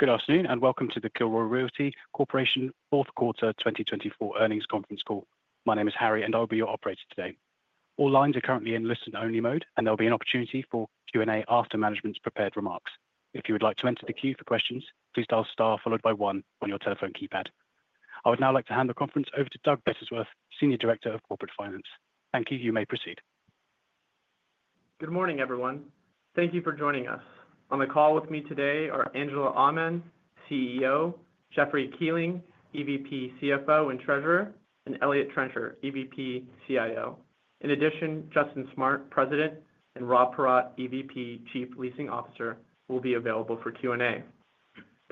Good afternoon and welcome to the Kilroy Realty Corporation Fourth Quarter 2024 Earnings Conference Call. My name is Harry, and I'll be your operator today. All lines are currently in listen-only mode, and there'll be an opportunity for Q&A after management's prepared remarks. If you would like to enter the queue for questions, please dial star followed by one on your telephone keypad. I would now like to hand the conference over to Doug Bettisworth, Senior Director of Corporate Finance. Thank you, you may proceed. Good morning, everyone. Thank you for joining us. On the Call with me today are Angela Aman, CEO, Jeffrey Kuehling, EVP, CFO and Treasurer, and Eliott Trencher, EVP, CIO. In addition, Justin Smart, President, and Rob Paratte, EVP, Chief Leasing Officer, will be available for Q&A.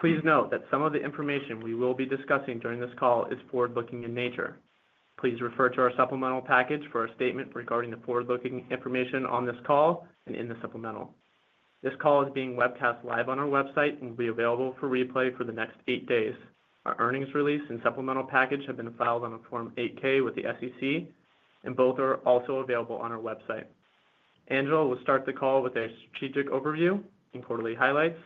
Please note that some of the information we will be discussing during this call is forward-looking in nature. Please refer to our supplemental package for a statement regarding the forward-looking information on this call and in the supplemental. This call is being webcast live on our website and will be available for replay for the next 8 days. Our earnings release and supplemental package have been filed on a Form 8-K with the SEC, and both are also available on our website. Angela will start the call with a strategic overview and quarterly highlights.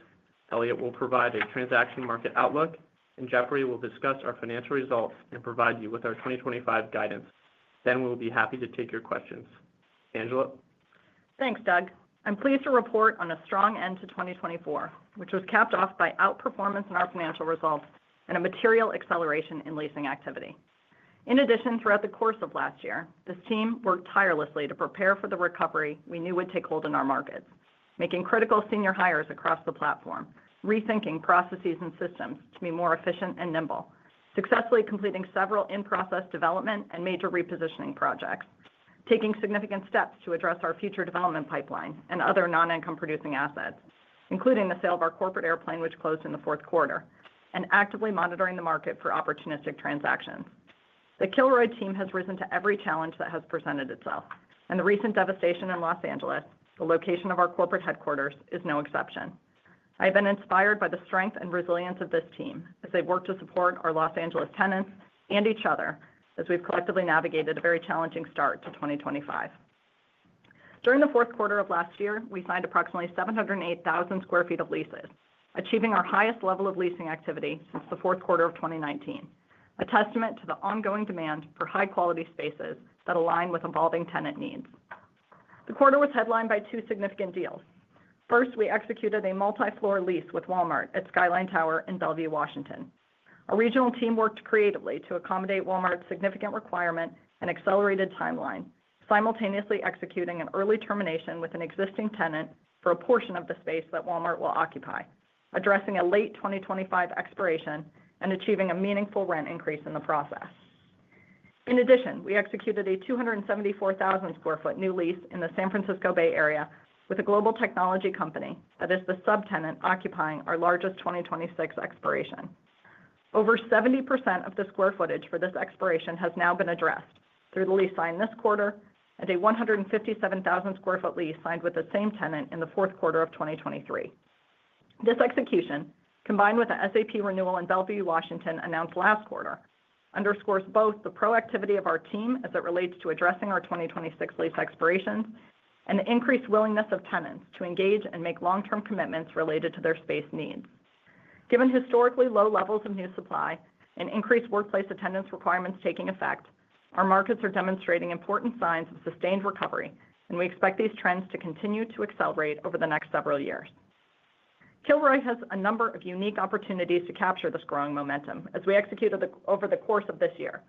Eliott will provide a transaction market outlook, and Jeffrey will discuss our financial results and provide you with our 2025 guidance. Then we'll be happy to take your questions. Angela. Thanks, Doug. I'm pleased to report on a strong end to 2024, which was capped off by outperformance in our financial results and a material acceleration in leasing activity. In addition, throughout the course of last year, this team worked tirelessly to prepare for the recovery we knew would take hold in our markets, making critical senior hires across the platform, rethinking processes and systems to be more efficient and nimble, successfully completing several in-process development and major repositioning projects, taking significant steps to address our future development pipeline and other non-income-producing assets, including the sale of our corporate airplane, which closed in the fourth quarter, and actively monitoring the market for opportunistic transactions. The Kilroy team has risen to every challenge that has presented itself, and the recent devastation in Los Angeles, the location of our corporate headquarters, is no exception. I have been inspired by the strength and resilience of this team as they've worked to support our Los Angeles tenants and each other as we've collectively navigated a very challenging start to 2025. During the fourth quarter of last year, we signed approximately 708,000 sq ft of leases, achieving our highest level of leasing activity since the fourth quarter of 2019, a testament to the ongoing demand for high-quality spaces that align with evolving tenant needs. The quarter was headlined by two significant deals. First, we executed a multi-floor lease with Walmart at Skyline Tower in Bellevue, Washington. Our regional team worked creatively to accommodate Walmart's significant requirement and accelerated timeline, simultaneously executing an early termination with an existing tenant for a portion of the space that Walmart will occupy, addressing a late 2025 expiration and achieving a meaningful rent increase in the process. In addition, we executed a 274,000 sq ft new lease in the San Francisco Bay Area with a global technology company that is the subtenant occupying our largest 2026 expiration. Over 70% of the square footage for this expiration has now been addressed through the lease signed this quarter and a 157,000 sq ft lease signed with the same tenant in the fourth quarter of 2023. This execution, combined with the SAP renewal in Bellevue, Washington announced last quarter, underscores both the proactivity of our team as it relates to addressing our 2026 lease expirations and the increased willingness of tenants to engage and make long-term commitments related to their space needs. Given historically low levels of new supply and increased workplace attendance requirements taking effect, our markets are demonstrating important signs of sustained recovery, and we expect these trends to continue to accelerate over the next several years. Kilroy has a number of unique opportunities to capture this growing momentum as we executed over the course of this year.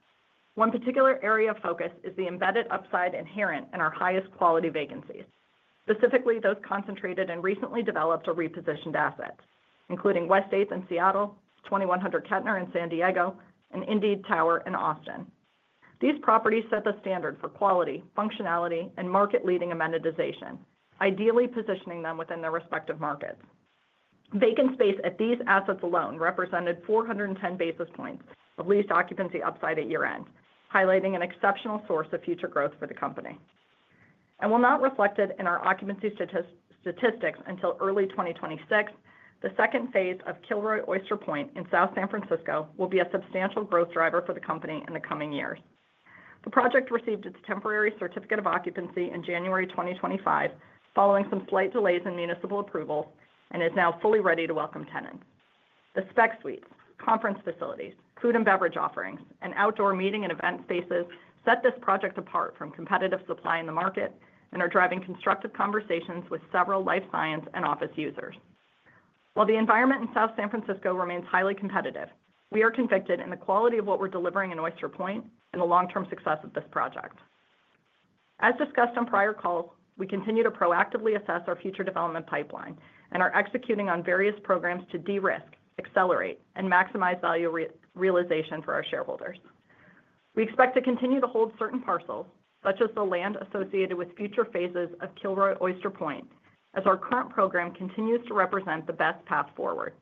One particular area of focus is the embedded upside inherent in our highest quality vacancies, specifically those concentrated in recently developed or repositioned assets, including West 8th in Seattle, 2100 Kettner in San Diego, and Indeed Tower in Austin. These properties set the standard for quality, functionality, and market-leading amenitization, ideally positioning them within their respective markets. Vacant space at these assets alone represented 410 basis points of leased occupancy upside at year-end, highlighting an exceptional source of future growth for the company. And while not reflected in our occupancy statistics until early 2026, the phase II of Kilroy Oyster Point in South San Francisco will be a substantial growth driver for the company in the coming years. The project received its temporary certificate of occupancy in January 2025, following some slight delays in municipal approvals, and is now fully ready to welcome tenants. The spec suites, conference facilities, food and beverage offerings, and outdoor meeting and event spaces set this project apart from competitive supply in the market and are driving constructive conversations with several life science and office users. While the environment in South San Francisco remains highly competitive, we are convicted in the quality of what we're delivering in Oyster Point and the long-term success of this project. As discussed on prior calls, we continue to proactively assess our future development pipeline and are executing on various programs to de-risk, accelerate, and maximize value realization for our shareholders. We expect to continue to hold certain parcels, such as the land associated with future phases of Kilroy Oyster Point, as our current program continues to represent the best path forward.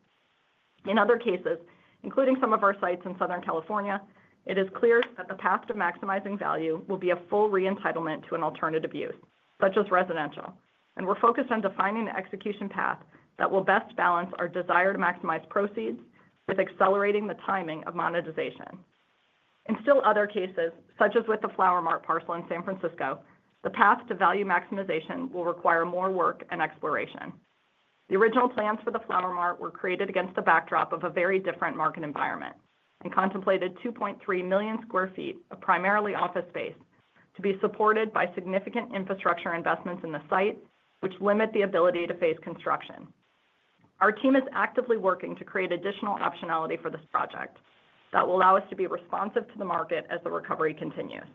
In other cases, including some of our sites in Southern California, it is clear that the path to maximizing value will be a full re-entitlement to an alternative use, such as residential, and we're focused on defining the execution path that will best balance our desire to maximize proceeds with accelerating the timing of monetization. In still other cases, such as with the Flower Mart parcel in San Francisco, the path to value maximization will require more work and exploration. The original plans for the Flower Mart were created against the backdrop of a very different market environment and contemplated 2.3 million sq ft of primarily office space to be supported by significant infrastructure investments in the site, which limit the ability to phase construction. Our team is actively working to create additional optionality for this project that will allow us to be responsive to the market as the recovery continues.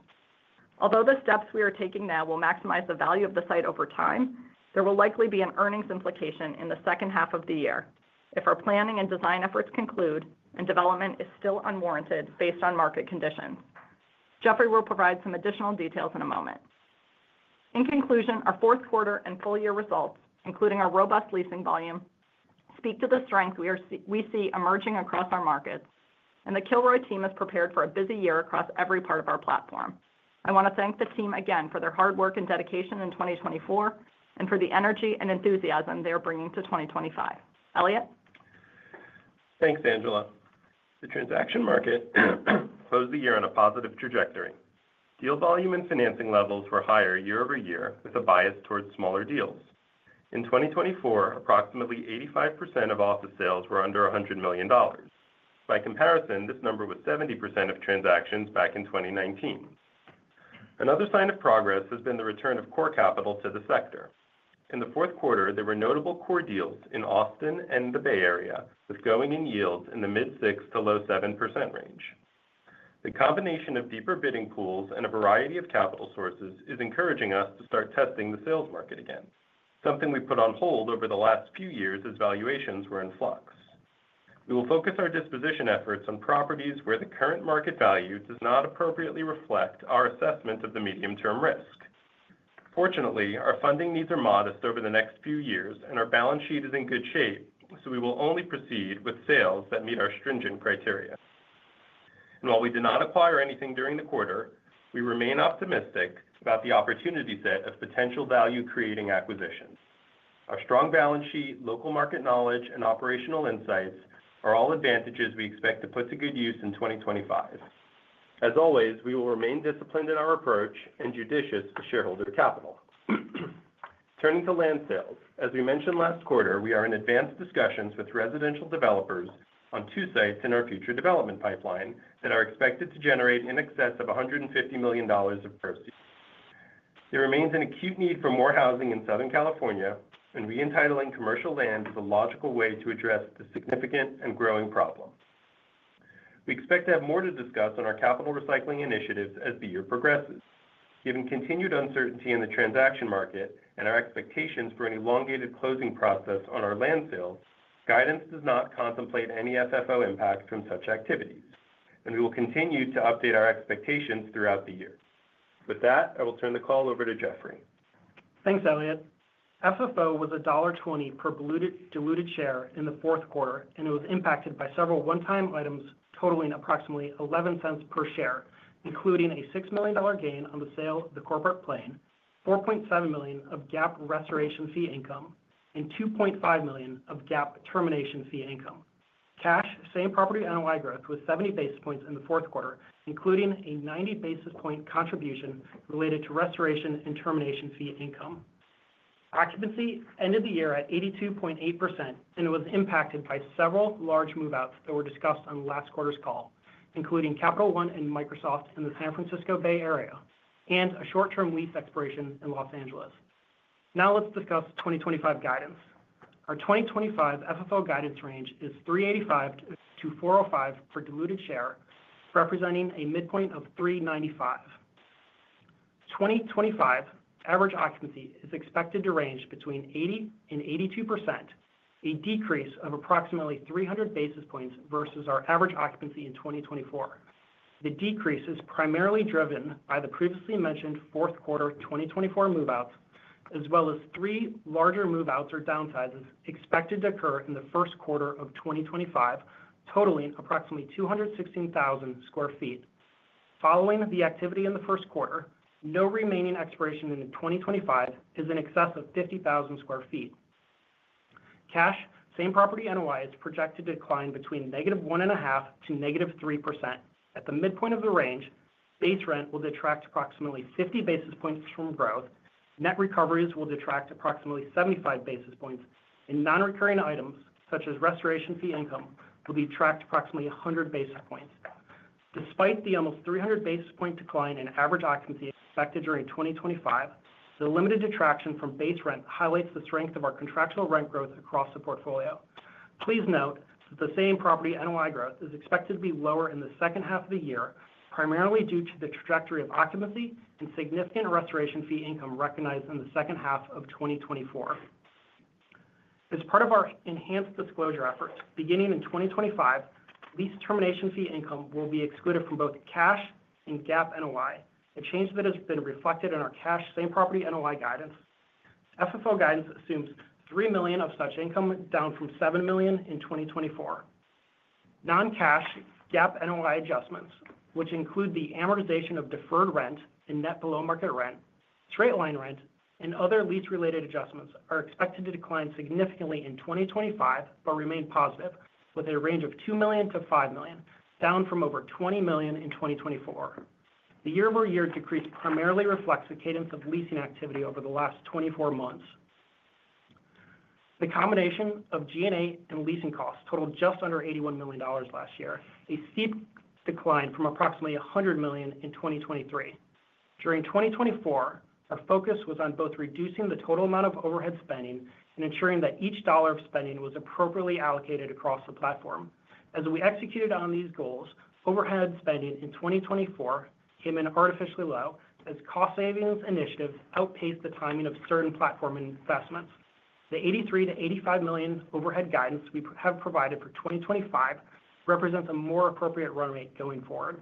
Although the steps we are taking now will maximize the value of the site over time, there will likely be an earnings implication in the second half of the year if our planning and design efforts conclude and development is still unwarranted based on market conditions. Jeffrey will provide some additional details in a moment. In conclusion, our fourth quarter and full year results, including our robust leasing volume, speak to the strength we see emerging across our markets, and the Kilroy team is prepared for a busy year across every part of our platform. I want to thank the team again for their hard work and dedication in 2024 and for the energy and enthusiasm they are bringing to 2025. Eliott? Thanks, Angela. The transaction market closed the year on a positive trajectory. Deal volume and financing levels were higher year over year with a bias towards smaller deals. In 2024, approximately 85% of office sales were under $100 million. By comparison, this number was 70% of transactions back in 2019. Another sign of progress has been the return of core capital to the sector. In the fourth quarter, there were notable core deals in Austin and the Bay Area with going-in-yields in the mid-6% to low-7% range. The combination of deeper bidding pools and a variety of capital sources is encouraging us to start testing the sales market again, something we put on hold over the last few years as valuations were in flux. We will focus our disposition efforts on properties where the current market value does not appropriately reflect our assessment of the medium-term risk. Fortunately, our funding needs are modest over the next few years, and our balance sheet is in good shape, so we will only proceed with sales that meet our stringent criteria, and while we did not acquire anything during the quarter, we remain optimistic about the opportunity set of potential value-creating acquisitions. Our strong balance sheet, local market knowledge, and operational insights are all advantages we expect to put to good use in 2025. As always, we will remain disciplined in our approach and judicious with shareholder capital. Turning to land sales, as we mentioned last quarter, we are in advanced discussions with residential developers on two sites in our future development pipeline that are expected to generate in excess of $150 million of proceeds. There remains an acute need for more housing in Southern California, and re-entitling commercial land is a logical way to address the significant and growing problem. We expect to have more to discuss on our capital recycling initiatives as the year progresses. Given continued uncertainty in the transaction market and our expectations for an elongated closing process on our land sales, guidance does not contemplate any FFO impact from such activities, and we will continue to update our expectations throughout the year. With that, I will turn the call over to Jeffrey. Thanks, Eliott. FFO was $1.20 per diluted share in the fourth quarter, and it was impacted by several one-time items totaling approximately $0.11 per share, including a $6 million gain on the sale of the corporate plane, $4.7 million of GAAP restoration fee income, and $2.5 million of GAAP termination fee income. Cash Same Property NOI growth was 70 basis points in the fourth quarter, including a 90 basis point contribution related to restoration and termination fee income. Occupancy ended the year at 82.8%, and it was impacted by several large move-outs that were discussed on last quarter's call, including Capital One and Microsoft in the San Francisco Bay Area and a short-term lease expiration in Los Angeles. Now let's discuss 2025 guidance. Our 2025 FFO guidance range is $3.85-$4.05 per diluted share, representing a midpoint of $3.95. 2025 average occupancy is expected to range between 80 and 82%, a decrease of approximately 300 basis points versus our average occupancy in 2024. The decrease is primarily driven by the previously mentioned fourth quarter 2024 move-outs, as well as three larger move-outs or downsizes expected to occur in the first quarter of 2025, totaling approximately 216,000 sq ft. Following the activity in the first quarter, no remaining expiration in 2025 is in excess of 50,000 sq ft. Cash Same Property NOI is projected to decline between -1/5% to -3%. At the midpoint of the range, base rent will detract approximately 50 basis points from growth. Net recoveries will detract approximately 75 basis points, and non-recurring items such as restoration fee income will detract approximately 100 basis points. Despite the almost 300 basis points decline in average occupancy expected during 2025, the limited detraction from base rent highlights the strength of our contractual rent growth across the portfolio. Please note that the same property NOI growth is expected to be lower in the second half of the year, primarily due to the trajectory of occupancy and significant restoration fee income recognized in the second half of 2024. As part of our enhanced disclosure efforts, beginning in 2025, lease termination fee income will be excluded from both cash and GAAP NOI, a change that has been reflected in our cash same property NOI guidance. FFO guidance assumes $3 million of such income down from $7 million in 2024. Non-cash GAAP NOI adjustments, which include the amortization of deferred rent and net below-market rent, straight-line rent, and other lease-related adjustments, are expected to decline significantly in 2025 but remain positive, with a range of $2 million-$5 million, down from over $20 million in 2024. The year-over-year decrease primarily reflects the cadence of leasing activity over the last 24 months. The combination of G&A and leasing costs totaled just under $81 million last year, a steep decline from approximately $100 million in 2023. During 2024, our focus was on both reducing the total amount of overhead spending and ensuring that each dollar of spending was appropriately allocated across the platform. As we executed on these goals, overhead spending in 2024 came in artificially low as cost savings initiatives outpaced the timing of certain platform investments. The $83-$85 million overhead guidance we have provided for 2025 represents a more appropriate run rate going forward.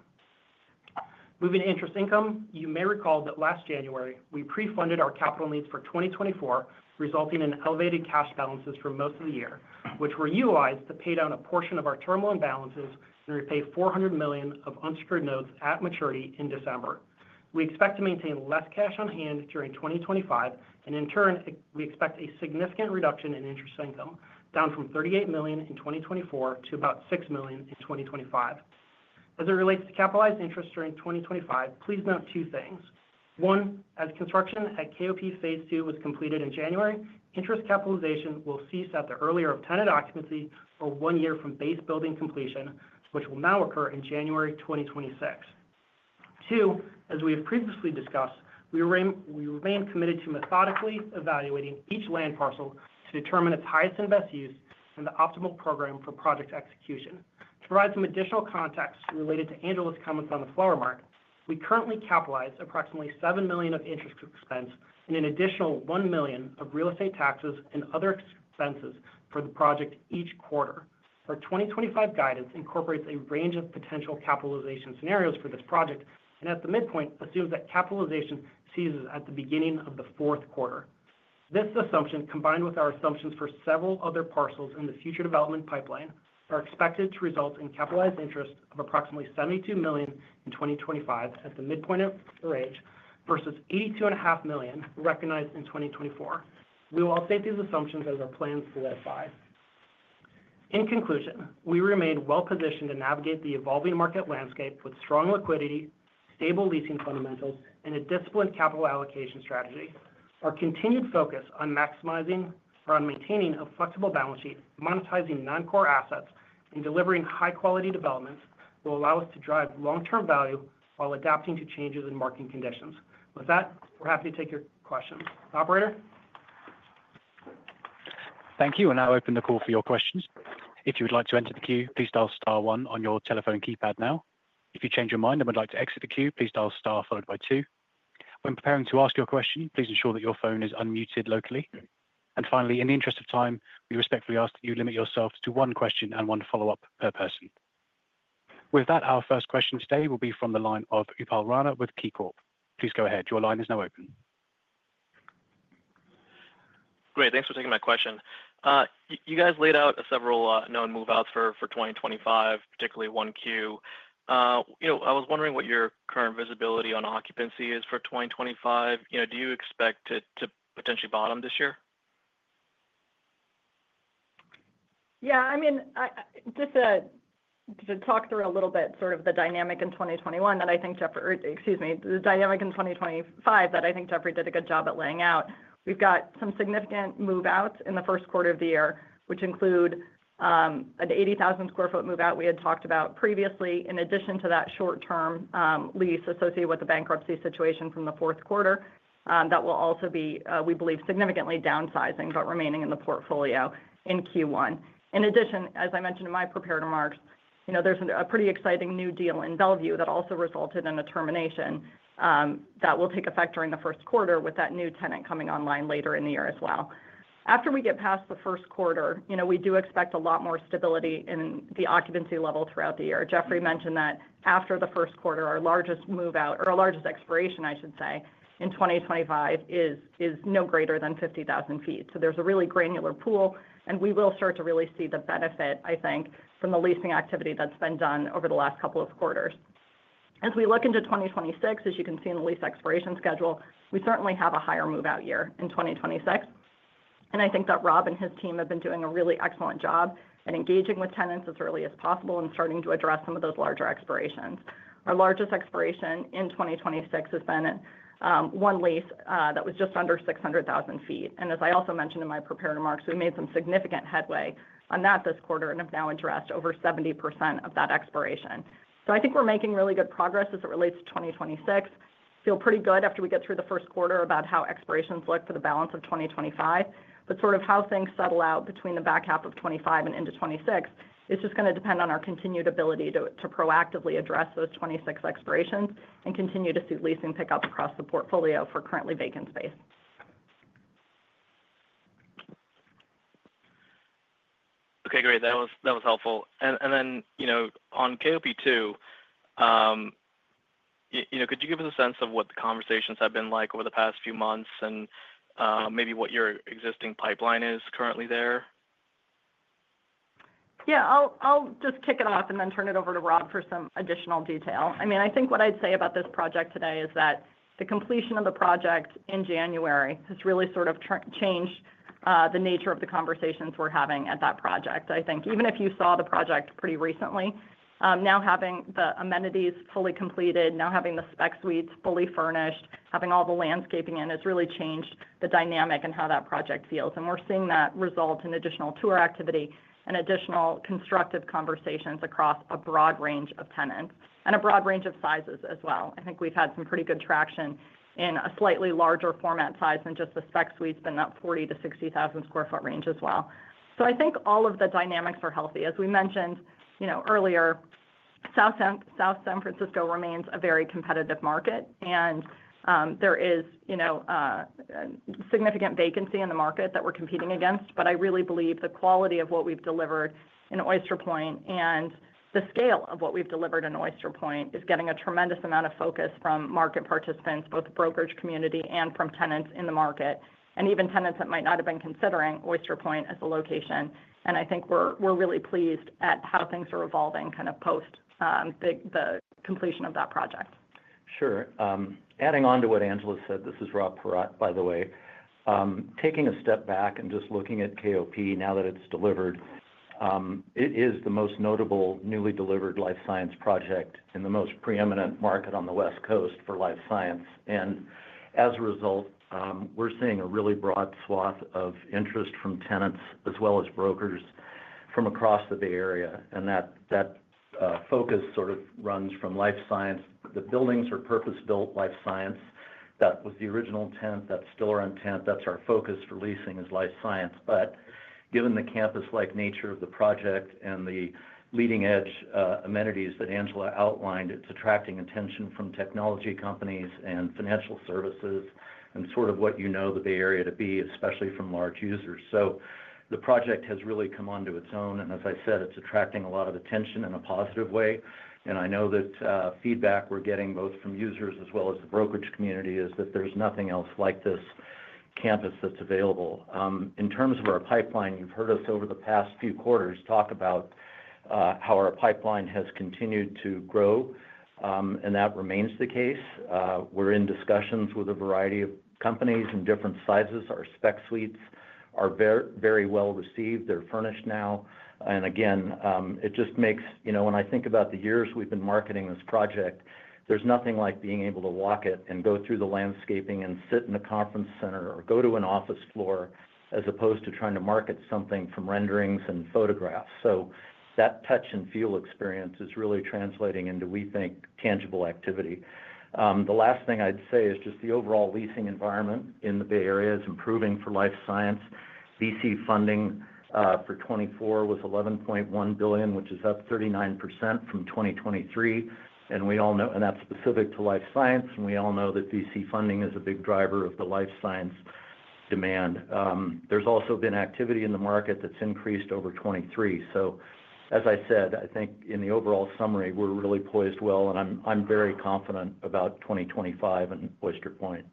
Moving to interest income, you may recall that last January, we pre-funded our capital needs for 2024, resulting in elevated cash balances for most of the year, which were utilized to pay down a portion of our term loan balances and repay $400 million of unsecured notes at maturity in December. We expect to maintain less cash on hand during 2025, and in turn, we expect a significant reduction in interest income, down from $38 million in 2024 to about $6 million in 2025. As it relates to capitalized interest during 2025, please note two things. One, as construction at KOP Phase II was completed in January, interest capitalization will cease at the earlier of tenant occupancy or one year from base building completion, which will now occur in January 2026. Two, as we have previously discussed, we remain committed to methodically evaluating each land parcel to determine its highest and best use and the optimal program for project execution. To provide some additional context related to Angela's comments on the Flower Mart, we currently capitalize approximately $7 million of interest expense and an additional $1 million of real estate taxes and other expenses for the project each quarter. Our 2025 guidance incorporates a range of potential capitalization scenarios for this project and at the midpoint assumes that capitalization ceases at the beginning of the fourth quarter. This assumption, combined with our assumptions for several other parcels in the future development pipeline, are expected to result in capitalized interest of approximately $72 million in 2025 at the midpoint of the range versus $82.5 million recognized in 2024. We will update these assumptions as our plans solidify. In conclusion, we remain well-positioned to navigate the evolving market landscape with strong liquidity, stable leasing fundamentals, and a disciplined capital allocation strategy. Our continued focus on maximizing or on maintaining a flexible balance sheet, monetizing non-core assets, and delivering high-quality developments will allow us to drive long-term value while adapting to changes in market conditions. With that, we're happy to take your questions. Operator? Thank you, and I'll open the call for your questions. If you would like to enter the queue, please dial star one on your telephone keypad now. If you change your mind and would like to exit the queue, please dial star followed by two. When preparing to ask your question, please ensure that your phone is unmuted locally. And finally, in the interest of time, we respectfully ask that you limit yourself to one question and one follow-up per person. With that, our first question today will be from the line of Upal Rana with KeyCorp. Please go ahead. Your line is now open. Great. Thanks for taking my question. You guys laid out several known move-outs for 2025, particularly one queue. I was wondering what your current visibility on occupancy is for 2025. Do you expect to potentially bottom this year? Yeah. I mean, just to talk through a little bit sort of the dynamic in 2021 that I think Jeffrey—excuse me—the dynamic in 2025 that I think Jeffrey did a good job at laying out. We've got some significant move-outs in the first quarter of the year, which include an 80,000 sq ft move-out we had talked about previously, in addition to that short-term lease associated with the bankruptcy situation from the fourth quarter that will also be, we believe, significantly downsizing but remaining in the portfolio in Q1. In addition, as I mentioned in my prepared remarks, there's a pretty exciting new deal in Bellevue that also resulted in a termination that will take effect during the first quarter with that new tenant coming online later in the year as well. After we get past the first quarter, we do expect a lot more stability in the occupancy level throughout the year. Jeffrey mentioned that after the first quarter, our largest move-out, or our largest expiration, I should say, in 2025 is no greater than 50,000 sq ft. So there's a really granular pool, and we will start to really see the benefit, I think, from the leasing activity that's been done over the last couple of quarters. As we look into 2026, as you can see in the lease expiration schedule, we certainly have a higher move-out year in 2026, and I think that Rob and his team have been doing a really excellent job at engaging with tenants as early as possible and starting to address some of those larger expirations. Our largest expiration in 2026 has been one lease that was just under 600,000 sq ft. And as I also mentioned in my prepared remarks, we made some significant headway on that this quarter and have now addressed over 70% of that expiration. So I think we're making really good progress as it relates to 2026. I feel pretty good after we get through the first quarter about how expirations look for the balance of 2025. But sort of how things settle out between the back half of 2025 and into 2026 is just going to depend on our continued ability to proactively address those 2026 expirations and continue to see leasing pick up across the portfolio for currently vacant space. Okay. Great. That was helpful, and then on KOP 2, could you give us a sense of what the conversations have been like over the past few months and maybe what your existing pipeline is currently there? Yeah. I'll just kick it off and then turn it over to Rob for some additional detail. I mean, I think what I'd say about this project today is that the completion of the project in January has really sort of changed the nature of the conversations we're having at that project. I think even if you saw the project pretty recently, now having the amenities fully completed, now having the spec suites fully furnished, having all the landscaping in, it's really changed the dynamic and how that project feels, and we're seeing that result in additional tour activity and additional constructive conversations across a broad range of tenants and a broad range of sizes as well. I think we've had some pretty good traction in a slightly larger format size than just the spec suites, but in that 40 sq ft - 60,000 sq ft range as well. So I think all of the dynamics are healthy. As we mentioned earlier, South San Francisco remains a very competitive market, and there is significant vacancy in the market that we're competing against. But I really believe the quality of what we've delivered in Oyster Point and the scale of what we've delivered in Oyster Point is getting a tremendous amount of focus from market participants, both the brokerage community and from tenants in the market, and even tenants that might not have been considering Oyster Point as a location. And I think we're really pleased at how things are evolving kind of post the completion of that project. Sure. Adding on to what Angela said, this is Rob Paratte, by the way. Taking a step back and just looking at KOP now that it's delivered, it is the most notable newly delivered life science project in the most preeminent market on the West Coast for life science. And as a result, we're seeing a really broad swath of interest from tenants as well as brokers from across the Bay Area. And that focus sort of runs from life science. The buildings are purpose-built life science. That was the original intent. That's still our intent. That's our focus for leasing is life science. But given the campus-like nature of the project and the leading-edge amenities that Angela outlined, it's attracting attention from technology companies and financial services and sort of what you know the Bay Area to be, especially from large users. The project has really come onto its own. As I said, it's attracting a lot of attention in a positive way. I know that feedback we're getting both from users as well as the brokerage community is that there's nothing else like this campus that's available. In terms of our pipeline, you've heard us over the past few quarters talk about how our pipeline has continued to grow, and that remains the case. We're in discussions with a variety of companies and different sizes. Our spec suites are very well received. They're furnished now. Again, it just makes when I think about the years we've been marketing this project, there's nothing like being able to walk it and go through the landscaping and sit in a conference center or go to an office floor as opposed to trying to market something from renderings and photographs. So that touch-and-feel experience is really translating into, we think, tangible activity. The last thing I'd say is just the overall leasing environment in the Bay Area is improving for life science. VC funding for 2024 was $11.1 billion, which is up 39% from 2023. And that's specific to life science. And we all know that VC funding is a big driver of the life science demand. There's also been activity in the market that's increased over 2023. So as I said, I think in the overall summary, we're really poised well, and I'm very confident about 2025 and Oyster Point.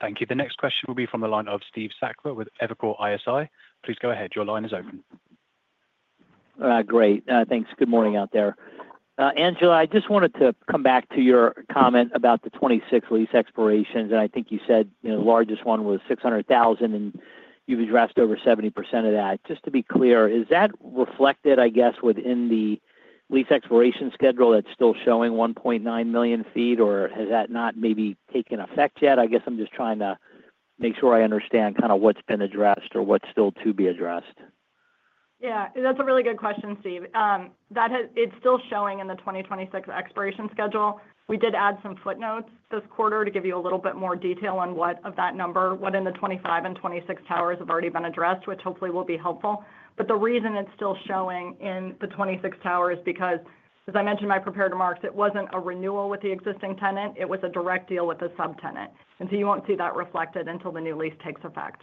Thank you. The next question will be from the line of Steve Sakwa with Evercore ISI. Please go ahead. Your line is open. Great. Thanks. Good morning out there. Angela, I just wanted to come back to your comment about the 2026 lease expirations. And I think you said the largest one was 600,000, and you've addressed over 70% of that. Just to be clear, is that reflected, I guess, within the lease expiration schedule that's still showing 1.9 million sq ft, or has that not maybe taken effect yet? I guess I'm just trying to make sure I understand kind of what's been addressed or what's still to be addressed. Yeah. That's a really good question, Steve. It's still showing in the 2026 expiration schedule. We did add some footnotes this quarter to give you a little bit more detail on what of that number, what in the 2025 and 2026 years have already been addressed, which hopefully will be helpful. But the reason it's still showing in the 2026 year is because, as I mentioned in my prepared remarks, it wasn't a renewal with the existing tenant. It was a direct deal with a subtenant. And so you won't see that reflected until the new lease takes effect.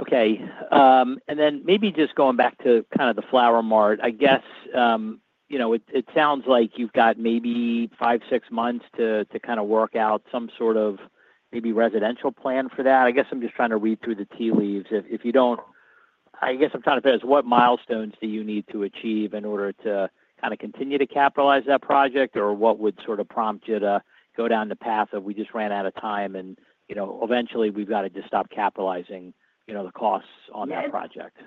Okay, and then maybe just going back to kind of the Flower Mart, I guess it sounds like you've got maybe five, six months to kind of work out some sort of maybe residential plan for that. I guess I'm just trying to read through the tea leaves. If you don't, I guess I'm trying to figure out what milestones do you need to achieve in order to kind of continue to capitalize that project, or what would sort of prompt you to go down the path of, "We just ran out of time," and eventually, we've got to just stop capitalizing the costs on that project? Yeah.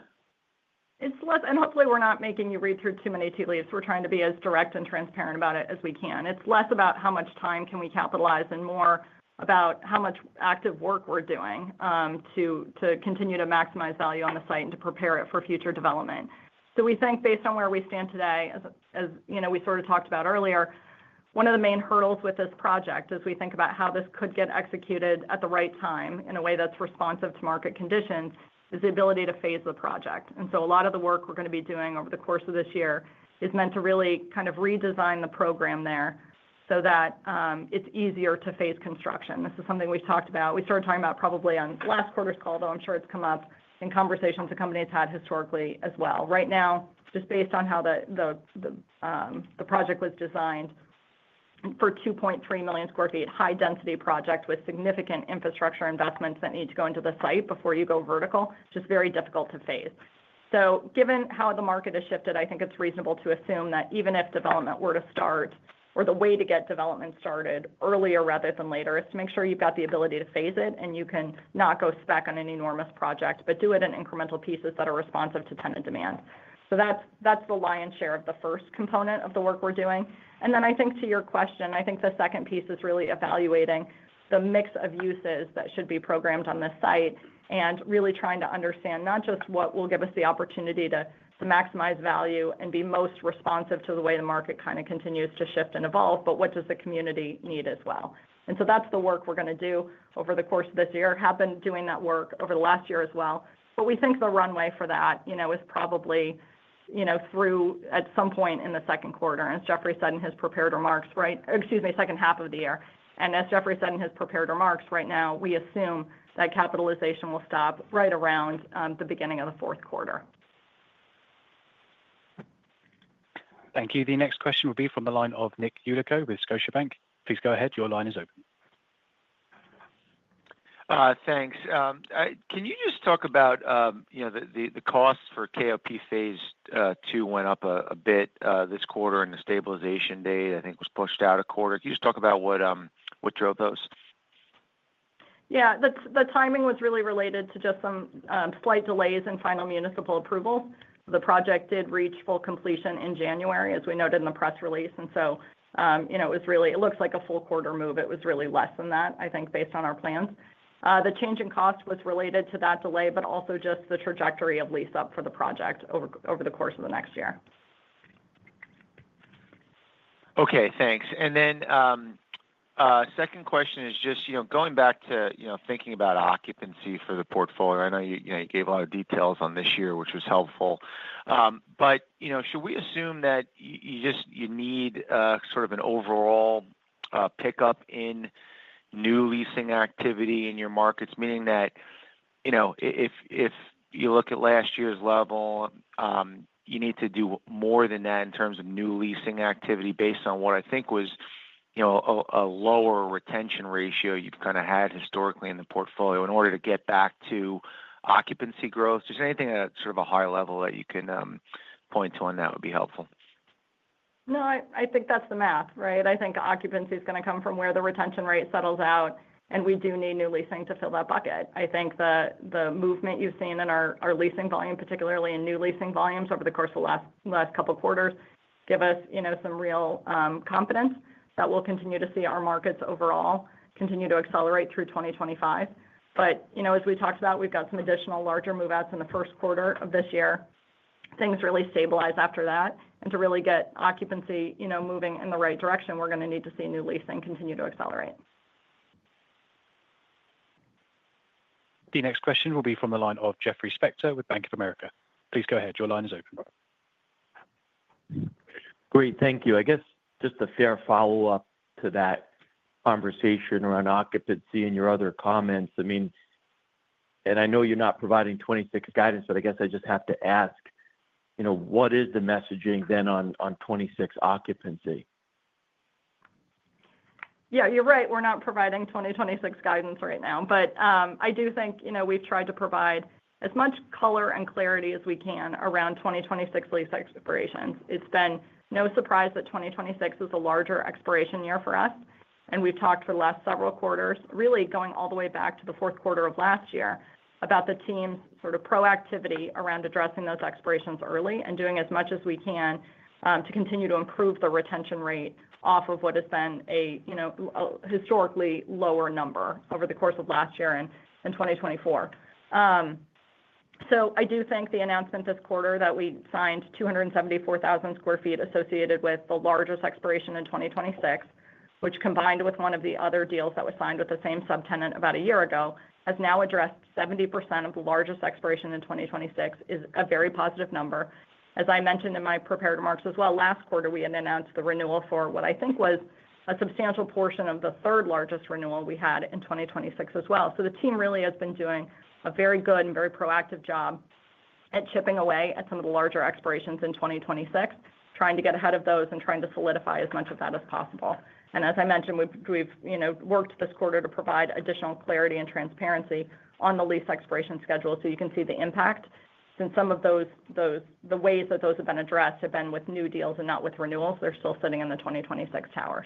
And hopefully, we're not making you read through too many tea leaves. We're trying to be as direct and transparent about it as we can. It's less about how much time can we capitalize and more about how much active work we're doing to continue to maximize value on the site and to prepare it for future development. So we think based on where we stand today, as we sort of talked about earlier, one of the main hurdles with this project as we think about how this could get executed at the right time in a way that's responsive to market conditions is the ability to phase the project. And so a lot of the work we're going to be doing over the course of this year is meant to really kind of redesign the program there so that it's easier to phase construction. This is something we've talked about. We started talking about it probably on last quarter's call, though I'm sure it's come up in conversations the company has had historically as well. Right now, just based on how the project was designed, for a 2.3 million sq ft high-density project with significant infrastructure investments that need to go into the site before you go vertical, it's just very difficult to phase, so given how the market has shifted, I think it's reasonable to assume that even if development were to start, or the way to get development started earlier rather than later is to make sure you've got the ability to face it, and you can not go spec on an enormous project, but do it in incremental pieces that are responsive to tenant demand, so that's the lion's share of the first component of the work we're doing. And then I think to your question, I think the second piece is really evaluating the mix of uses that should be programmed on the site and really trying to understand not just what will give us the opportunity to maximize value and be most responsive to the way the market kind of continues to shift and evolve, but what does the community need as well. And so that's the work we're going to do over the course of this year. I have been doing that work over the last year as well. But we think the runway for that is probably through, at some point, in the second quarter. And as Jeffrey said in his prepared remarks, right? Excuse me, second half of the year. And as Jeffrey said in his prepared remarks, right now, we assume that capitalization will stop right around the beginning of the fourth quarter. Thank you. The next question will be from the line of Nick Yulico with Scotiabank. Please go ahead. Your line is open. Thanks. Can you just talk about the costs for KOP phase II went up a bit this quarter, and the stabilization date, I think, was pushed out a quarter? Can you just talk about what drove those? Yeah. The timing was really related to just some slight delays in final municipal approval. The project did reach full completion in January, as we noted in the press release. And so it was really. It looks like a full quarter move. It was really less than that, I think, based on our plans. The change in cost was related to that delay, but also just the trajectory of lease-up for the project over the course of the next year. Okay. Thanks. And then second question is just going back to thinking about occupancy for the portfolio. I know you gave a lot of details on this year, which was helpful. But should we assume that you just need sort of an overall pickup in new leasing activity in your markets, meaning that if you look at last year's level, you need to do more than that in terms of new leasing activity based on what I think was a lower retention ratio you've kind of had historically in the portfolio in order to get back to occupancy growth? Just anything at sort of a high level that you can point to on that would be helpful. No, I think that's the math, right? I think occupancy is going to come from where the retention rate settles out, and we do need new leasing to fill that bucket. I think the movement you've seen in our leasing volume, particularly in new leasing volumes over the course of the last couple of quarters, give us some real confidence that we'll continue to see our markets overall continue to accelerate through 2025. But as we talked about, we've got some additional larger move-outs in the first quarter of this year. Things really stabilize after that. And to really get occupancy moving in the right direction, we're going to need to see new leasing continue to accelerate. The next question will be from the line of Jeffrey Spector with Bank of America. Please go ahead. Your line is open. Great. Thank you. I guess just a fair follow-up to that conversation around occupancy and your other comments. I mean, and I know you're not providing 2026 guidance, but I guess I just have to ask, what is the messaging then on 2026 occupancy? Yeah. You're right. We're not providing 2026 guidance right now. But I do think we've tried to provide as much color and clarity as we can around 2026 lease expirations. It's been no surprise that 2026 is a larger expiration year for us. And we've talked for the last several quarters, really going all the way back to the fourth quarter of last year, about the team's sort of proactivity around addressing those expirations early and doing as much as we can to continue to improve the retention rate off of what has been a historically lower number over the course of last year and in 2024. I do think the announcement this quarter that we signed 274,000 sq ft associated with the largest expiration in 2026, which combined with one of the other deals that was signed with the same subtenant about a year ago, has now addressed 70% of the largest expiration in 2026, is a very positive number. As I mentioned in my prepared remarks as well, last quarter, we had announced the renewal for what I think was a substantial portion of the third largest renewal we had in 2026 as well. So the team really has been doing a very good and very proactive job at chipping away at some of the larger expirations in 2026, trying to get ahead of those and trying to solidify as much of that as possible. As I mentioned, we've worked this quarter to provide additional clarity and transparency on the lease expiration schedule so you can see the impact. Some of the ways that those have been addressed have been with new deals and not with renewals. They're still sitting in the 2026 tower.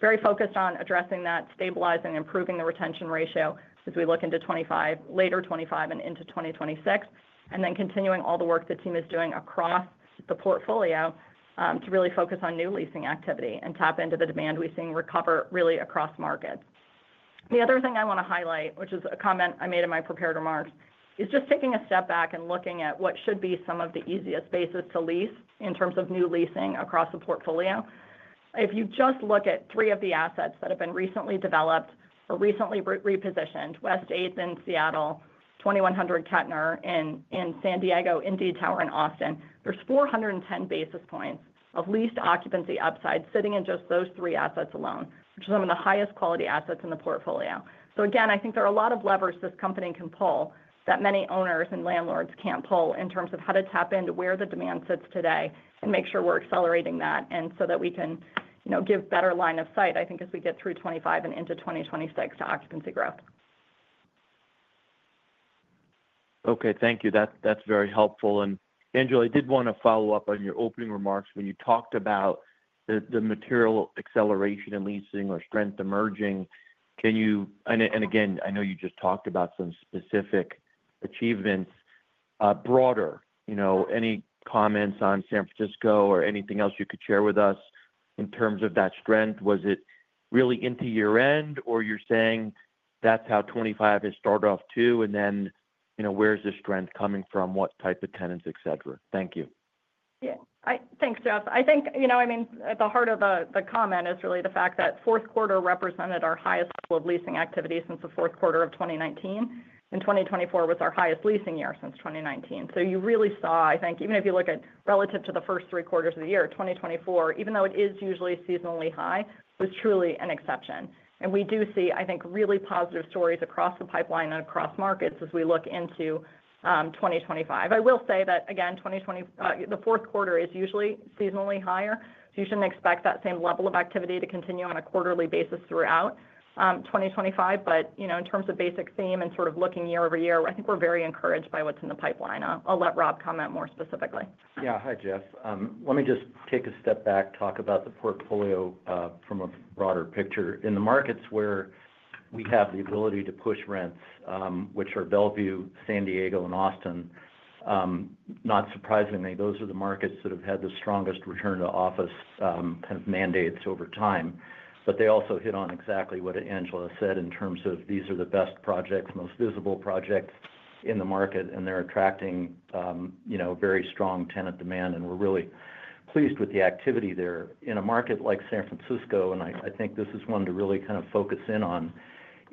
Very focused on addressing that, stabilizing, improving the retention ratio as we look into 2025, later 2025, and into 2026, and then continuing all the work the team is doing across the portfolio to really focus on new leasing activity and tap into the demand we're seeing recover really across markets. The other thing I want to highlight, which is a comment I made in my prepared remarks, is just taking a step back and looking at what should be some of the easiest basis to lease in terms of new leasing across the portfolio. If you just look at three of the assets that have been recently developed or recently repositioned: West 8th in Seattle, 2100 Kettner in San Diego, and Indeed Tower in Austin, there's 410 basis points of leased occupancy upside sitting in just those three assets alone, which are some of the highest quality assets in the portfolio. So again, I think there are a lot of levers this company can pull that many owners and landlords can't pull in terms of how to tap into where the demand sits today and make sure we're accelerating that so that we can give better line of sight, I think, as we get through 2025 and into 2026 to occupancy growth. Okay. Thank you. That's very helpful. And Angela, I did want to follow up on your opening remarks when you talked about the material acceleration in leasing or strength emerging. And again, I know you just talked about some specific achievements broader. Any comments on San Francisco or anything else you could share with us in terms of that strength? Was it really into year-end, or you're saying that's how 2025 has started off too, and then where's the strength coming from, what type of tenants, etc.? Thank you. Yeah. Thanks, Jeff. I think, I mean, at the heart of the comment is really the fact that fourth quarter represented our highest level of leasing activity since the fourth quarter of 2019, and 2024 was our highest leasing year since 2019. So you really saw, I think, even if you look at relative to the first three quarters of the year, 2024, even though it is usually seasonally high, was truly an exception. And we do see, I think, really positive stories across the pipeline and across markets as we look into 2025. I will say that, again, the fourth quarter is usually seasonally higher. So you shouldn't expect that same level of activity to continue on a quarterly basis throughout 2025. But in terms of basic theme and sort of looking year over year, I think we're very encouraged by what's in the pipeline. I'll let Rob comment more specifically. Yeah. Hi, Jeff. Let me just take a step back, talk about the portfolio from a broader picture. In the markets where we have the ability to push rents, which are Bellevue, San Diego, and Austin, not surprisingly, those are the markets that have had the strongest return-to-office kind of mandates over time. But they also hit on exactly what Angela said in terms of these are the best projects, most visible projects in the market, and they're attracting very strong tenant demand. And we're really pleased with the activity there. In a market like San Francisco, and I think this is one to really kind of focus in on,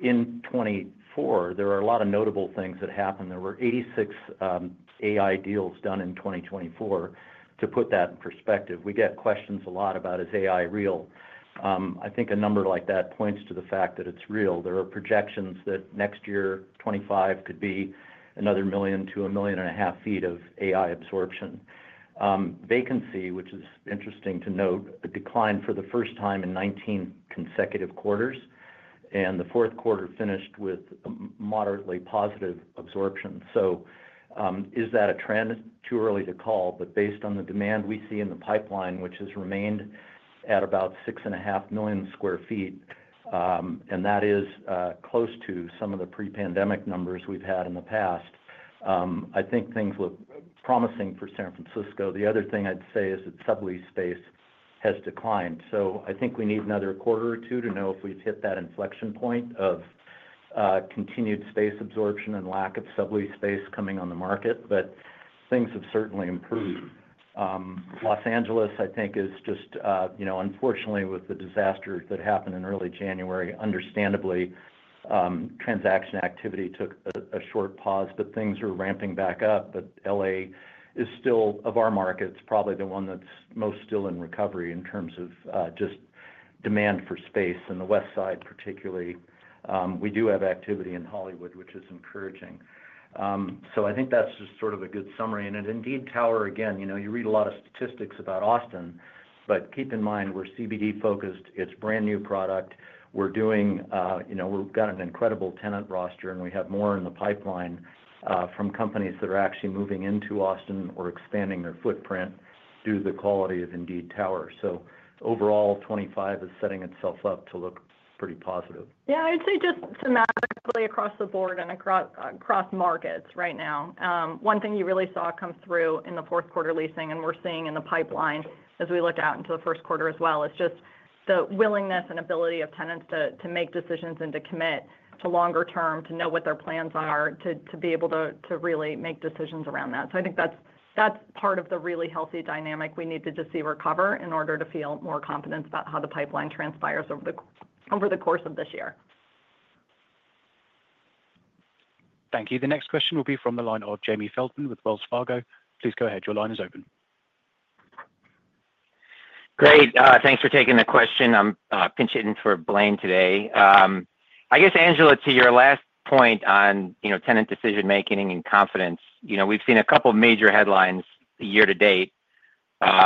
in 2024, there are a lot of notable things that happened. There were 86 AI deals done in 2024. To put that in perspective, we get questions a lot about, "Is AI real?" I think a number like that points to the fact that it's real. There are projections that next year, 2025, could be another 1 million to 1.5 million sq ft of AI absorption. Vacancy, which is interesting to note, declined for the first time in 19 consecutive quarters, and the fourth quarter finished with moderately positive absorption, so is that a trend? Too early to call, but based on the demand we see in the pipeline, which has remained at about 6.5 million sq ft, and that is close to some of the pre-pandemic numbers we've had in the past, I think things look promising for San Francisco. The other thing I'd say is that sublease space has declined. So I think we need another quarter or two to know if we've hit that inflection point of continued space absorption and lack of sublease space coming on the market. But things have certainly improved. Los Angeles, I think, is just, unfortunately, with the disaster that happened in early January, understandably, transaction activity took a short pause, but things are ramping back up. But L.A. is still, of our markets, probably the one that's most still in recovery in terms of just demand for space, and the Westside, particularly. We do have activity in Hollywood, which is encouraging. So I think that's just sort of a good summary. And at Indeed Tower, again, you read a lot of statistics about Austin, but keep in mind we're CBD-focused. It's a brand new product. We've got an incredible tenant roster, and we have more in the pipeline from companies that are actually moving into Austin or expanding their footprint due to the quality of Indeed Tower. So overall, 2025 is setting itself up to look pretty positive. Yeah. I'd say just thematically across the board and across markets right now, one thing you really saw come through in the fourth quarter leasing and we're seeing in the pipeline as we look out into the first quarter as well is just the willingness and ability of tenants to make decisions and to commit to longer term, to know what their plans are, to be able to really make decisions around that. So I think that's part of the really healthy dynamic we need to just see recover in order to feel more confidence about how the pipeline transpires over the course of this year. Thank you. The next question will be from the line of Jamie Feldman with Wells Fargo. Please go ahead. Your line is open. Great. Thanks for taking the question. I'm pinch hitting for Blaine today. I guess, Angela, to your last point on tenant decision-making and confidence, we've seen a couple of major headlines year to date,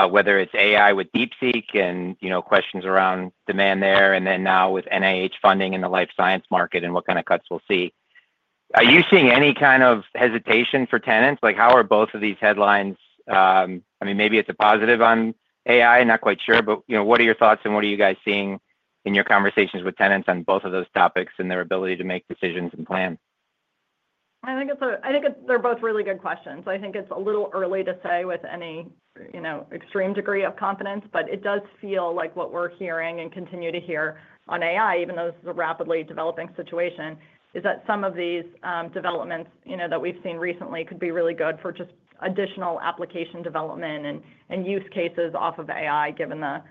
whether it's AI with DeepSeek and questions around demand there, and then now with NIH funding in the life science market and what kind of cuts we'll see. Are you seeing any kind of hesitation for tenants? How are both of these headlines? I mean, maybe it's a positive on AI, not quite sure. But what are your thoughts, and what are you guys seeing in your conversations with tenants on both of those topics and their ability to make decisions and plan? I think they're both really good questions. I think it's a little early to say with any extreme degree of confidence, but it does feel like what we're hearing and continue to hear on AI, even though this is a rapidly developing situation, is that some of these developments that we've seen recently could be really good for just additional application development and use cases off of AI, given the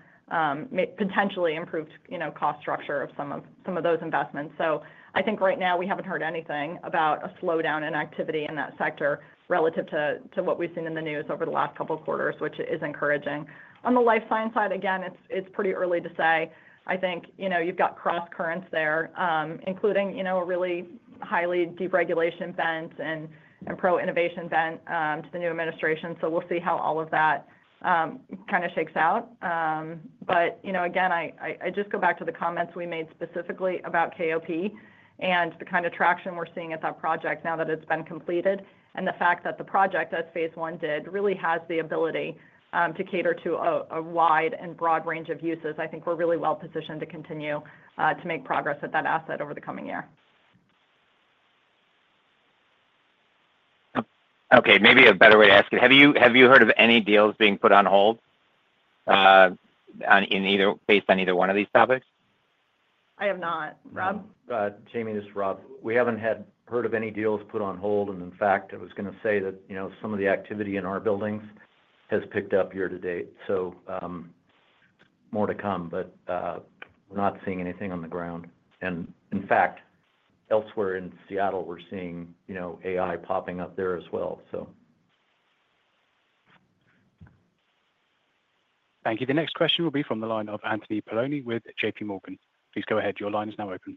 potentially improved cost structure of some of those investments. So I think right now, we haven't heard anything about a slowdown in activity in that sector relative to what we've seen in the news over the last couple of quarters, which is encouraging. On the life science side, again, it's pretty early to say. I think you've got cross currents there, including a really highly deregulation bent and pro-innovation bent to the new administration. So we'll see how all of that kind of shakes out. But again, I just go back to the comments we made specifically about KOP and the kind of traction we're seeing at that project now that it's been completed and the fact that the project, as phase I did, really has the ability to cater to a wide and broad range of uses. I think we're really well positioned to continue to make progress at that asset over the coming year. Okay. Maybe a better way to ask it, have you heard of any deals being put on hold based on either one of these topics? I have not. Rob? Jamie, this is Rob. We haven't heard of any deals put on hold, and in fact, I was going to say that some of the activity in our buildings has picked up year to date, so more to come, but we're not seeing anything on the ground, and in fact, elsewhere in Seattle, we're seeing AI popping up there as well, so. Thank you. The next question will be from the line of Anthony Paolone with JPMorgan. Please go ahead. Your line is now open.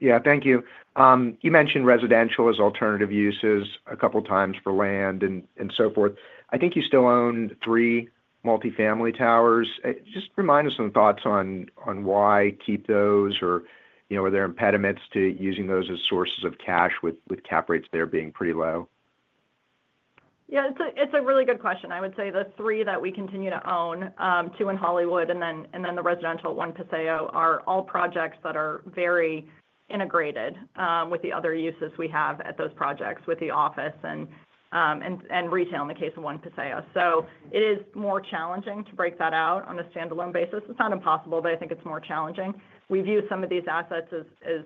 Yeah. Thank you. You mentioned residential as alternative uses a couple of times for land and so forth. I think you still own three multifamily towers. Just remind us some thoughts on why keep those or are there impediments to using those as sources of cash with cap rates there being pretty low? Yeah. It's a really good question. I would say the three that we continue to own, two in Hollywood and then the residential, One Paseo, are all projects that are very integrated with the other uses we have at those projects with the office and retail in the case of One Paseo. So it is more challenging to break that out on a standalone basis. It's not impossible, but I think it's more challenging. We view some of these assets as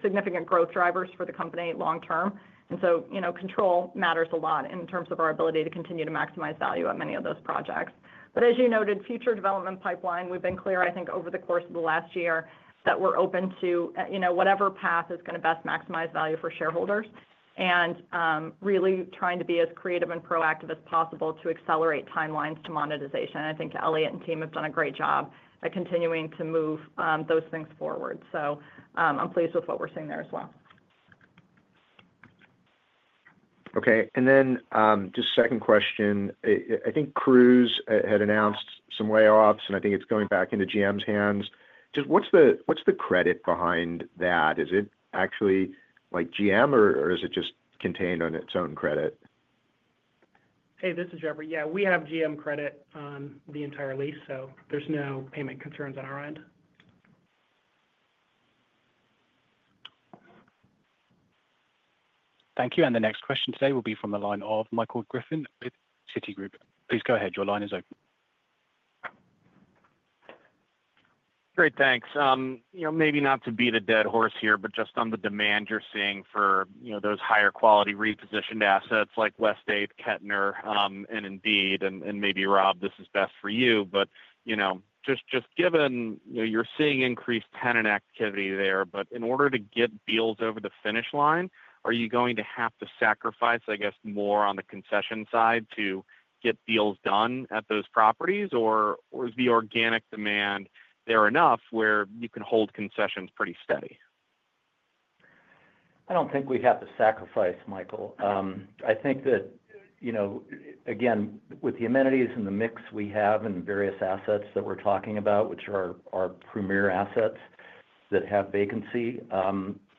significant growth drivers for the company long-term, and so control matters a lot in terms of our ability to continue to maximize value at many of those projects. But as you noted, future development pipeline, we've been clear, I think, over the course of the last year that we're open to whatever path is going to best maximize value for shareholders and really trying to be as creative and proactive as possible to accelerate timelines to monetization. I think Eliott and team have done a great job at continuing to move those things forward. So I'm pleased with what we're seeing there as well. Okay. And then just second question. I think Cruise had announced some layoffs, and I think it's going back into GM's hands. Just what's the credit behind that? Is it actually GM, or is it just contained on its own credit? Hey, this is Jeffrey. Yeah. We have GM credit on the entire lease, so there's no payment concerns on our end. Thank you. And the next question today will be from the line of Michael Griffin with Citigroup. Please go ahead. Your line is open. Great. Thanks. Maybe not to beat a dead horse here, but just on the demand you're seeing for those higher quality repositioned assets like West 8th, Kettner, and Indeed, and maybe, Rob, this is best for you, but just given you're seeing increased tenant activity there, but in order to get deals over the finish line, are you going to have to sacrifice, I guess, more on the concession side to get deals done at those properties, or is the organic demand there enough where you can hold concessions pretty steady? I don't think we have to sacrifice, Michael. I think that, again, with the amenities and the mix we have and various assets that we're talking about, which are our premier assets that have vacancy,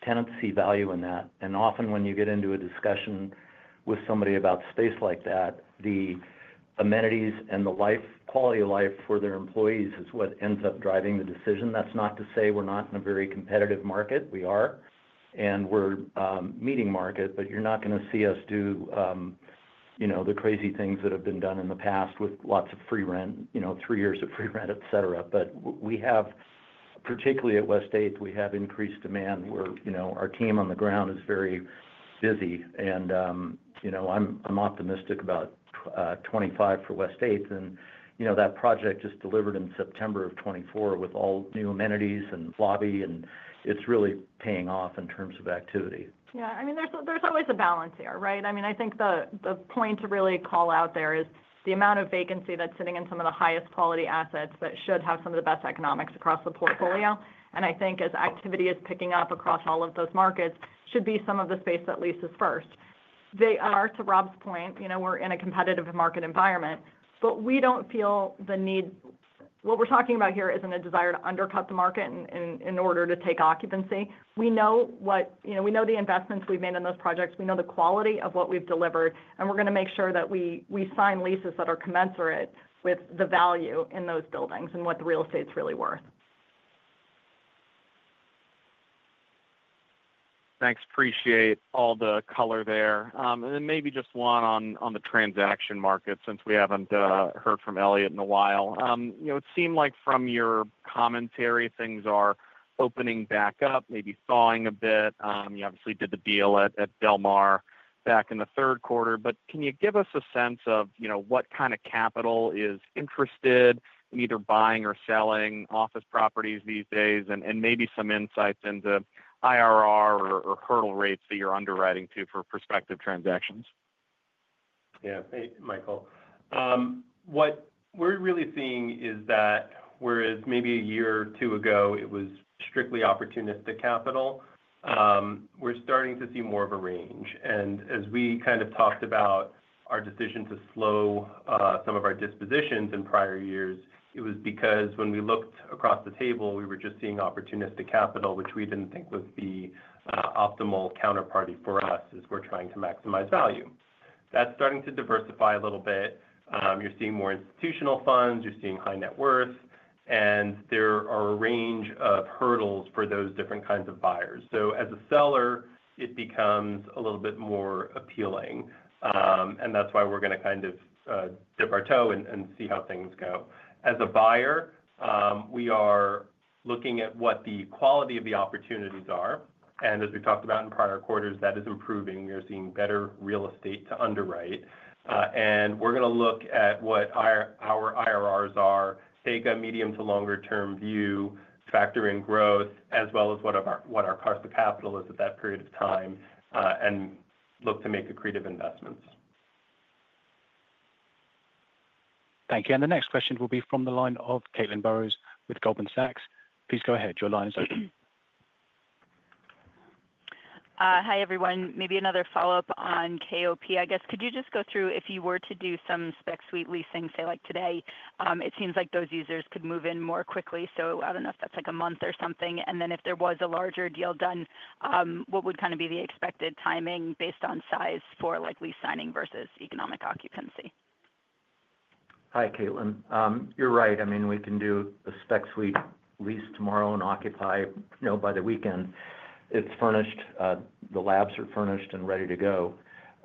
tenants see value in that. And often when you get into a discussion with somebody about space like that, the amenities and the quality of life for their employees is what ends up driving the decision. That's not to say we're not in a very competitive market. We are, and we're meeting market, but you're not going to see us do the crazy things that have been done in the past with lots of free rent, three years of free rent, etc. But we have, particularly at West 8th, we have increased demand where our team on the ground is very busy. And I'm optimistic about 2025 for West 8th. That project just delivered in September of 2024 with all new amenities and lobby, and it's really paying off in terms of activity. Yeah. I mean, there's always a balance here, right? I mean, I think the point to really call out there is the amount of vacancy that's sitting in some of the highest quality assets that should have some of the best economics across the portfolio. And I think as activity is picking up across all of those markets, should be some of the space that leases first. They are, to Rob's point, we're in a competitive market environment, but we don't feel the need. What we're talking about here isn't a desire to undercut the market in order to take occupancy. We know what we know: the investments we've made on those projects. We know the quality of what we've delivered, and we're going to make sure that we sign leases that are commensurate with the value in those buildings and what the real estate's really worth. Thanks. Appreciate all the color there. And then maybe just one on the transaction market since we haven't heard from Eliott in a while. It seemed like from your commentary, things are opening back up, maybe thawing a bit. You obviously did the deal at Del Mar back in the third quarter. But can you give us a sense of what kind of capital is interested in either buying or selling office properties these days and maybe some insights into IRR or hurdle rates that you're underwriting to for prospective transactions? Yeah. Hey, Michael. What we're really seeing is that whereas maybe a year or two ago, it was strictly opportunistic capital, we're starting to see more of a range. And as we kind of talked about our decision to slow some of our dispositions in prior years, it was because when we looked across the table, we were just seeing opportunistic capital, which we didn't think was the optimal counterparty for us as we're trying to maximize value. That's starting to diversify a little bit. You're seeing more institutional funds. You're seeing high net worth. And there are a range of hurdles for those different kinds of buyers. So as a seller, it becomes a little bit more appealing. And that's why we're going to kind of dip our toe and see how things go. As a buyer, we are looking at what the quality of the opportunities are. As we talked about in prior quarters, that is improving. We are seeing better real estate to underwrite. We're going to look at what our IRRs are, take a medium to longer-term view, factor in growth, as well as what our cost of capital is at that period of time, and look to make accretive investments. Thank you. And the next question will be from the line of Caitlin Burrows with Goldman Sachs. Please go ahead. Your line is open. Hi, everyone. Maybe another follow-up on KOP. I guess, could you just go through if you were to do some spec suite leasing, say, like today? It seems like those users could move in more quickly. So I don't know if that's like a month or something. And then if there was a larger deal done, what would kind of be the expected timing based on size for lease signing versus economic occupancy? Hi, Caitlin. You're right. I mean, we can do a spec suite lease tomorrow and occupy by the weekend. It's furnished. The labs are furnished and ready to go.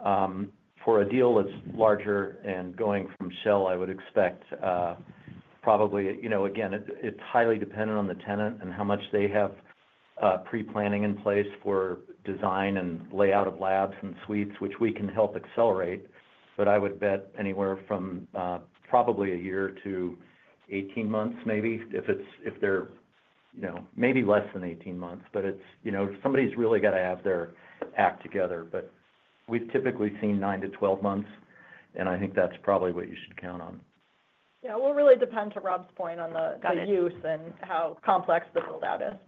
For a deal that's larger and going from shell, I would expect probably, again, it's highly dependent on the tenant and how much they have pre-planning in place for design and layout of labs and suites, which we can help accelerate. But I would bet anywhere from probably a year to 18 months, maybe, if they're maybe less than 18 months. But somebody's really got to have their act together. But we've typically seen nine to 12 months, and I think that's probably what you should count on. Yeah. It will really depend to Rob's point on the use and how complex the buildout is.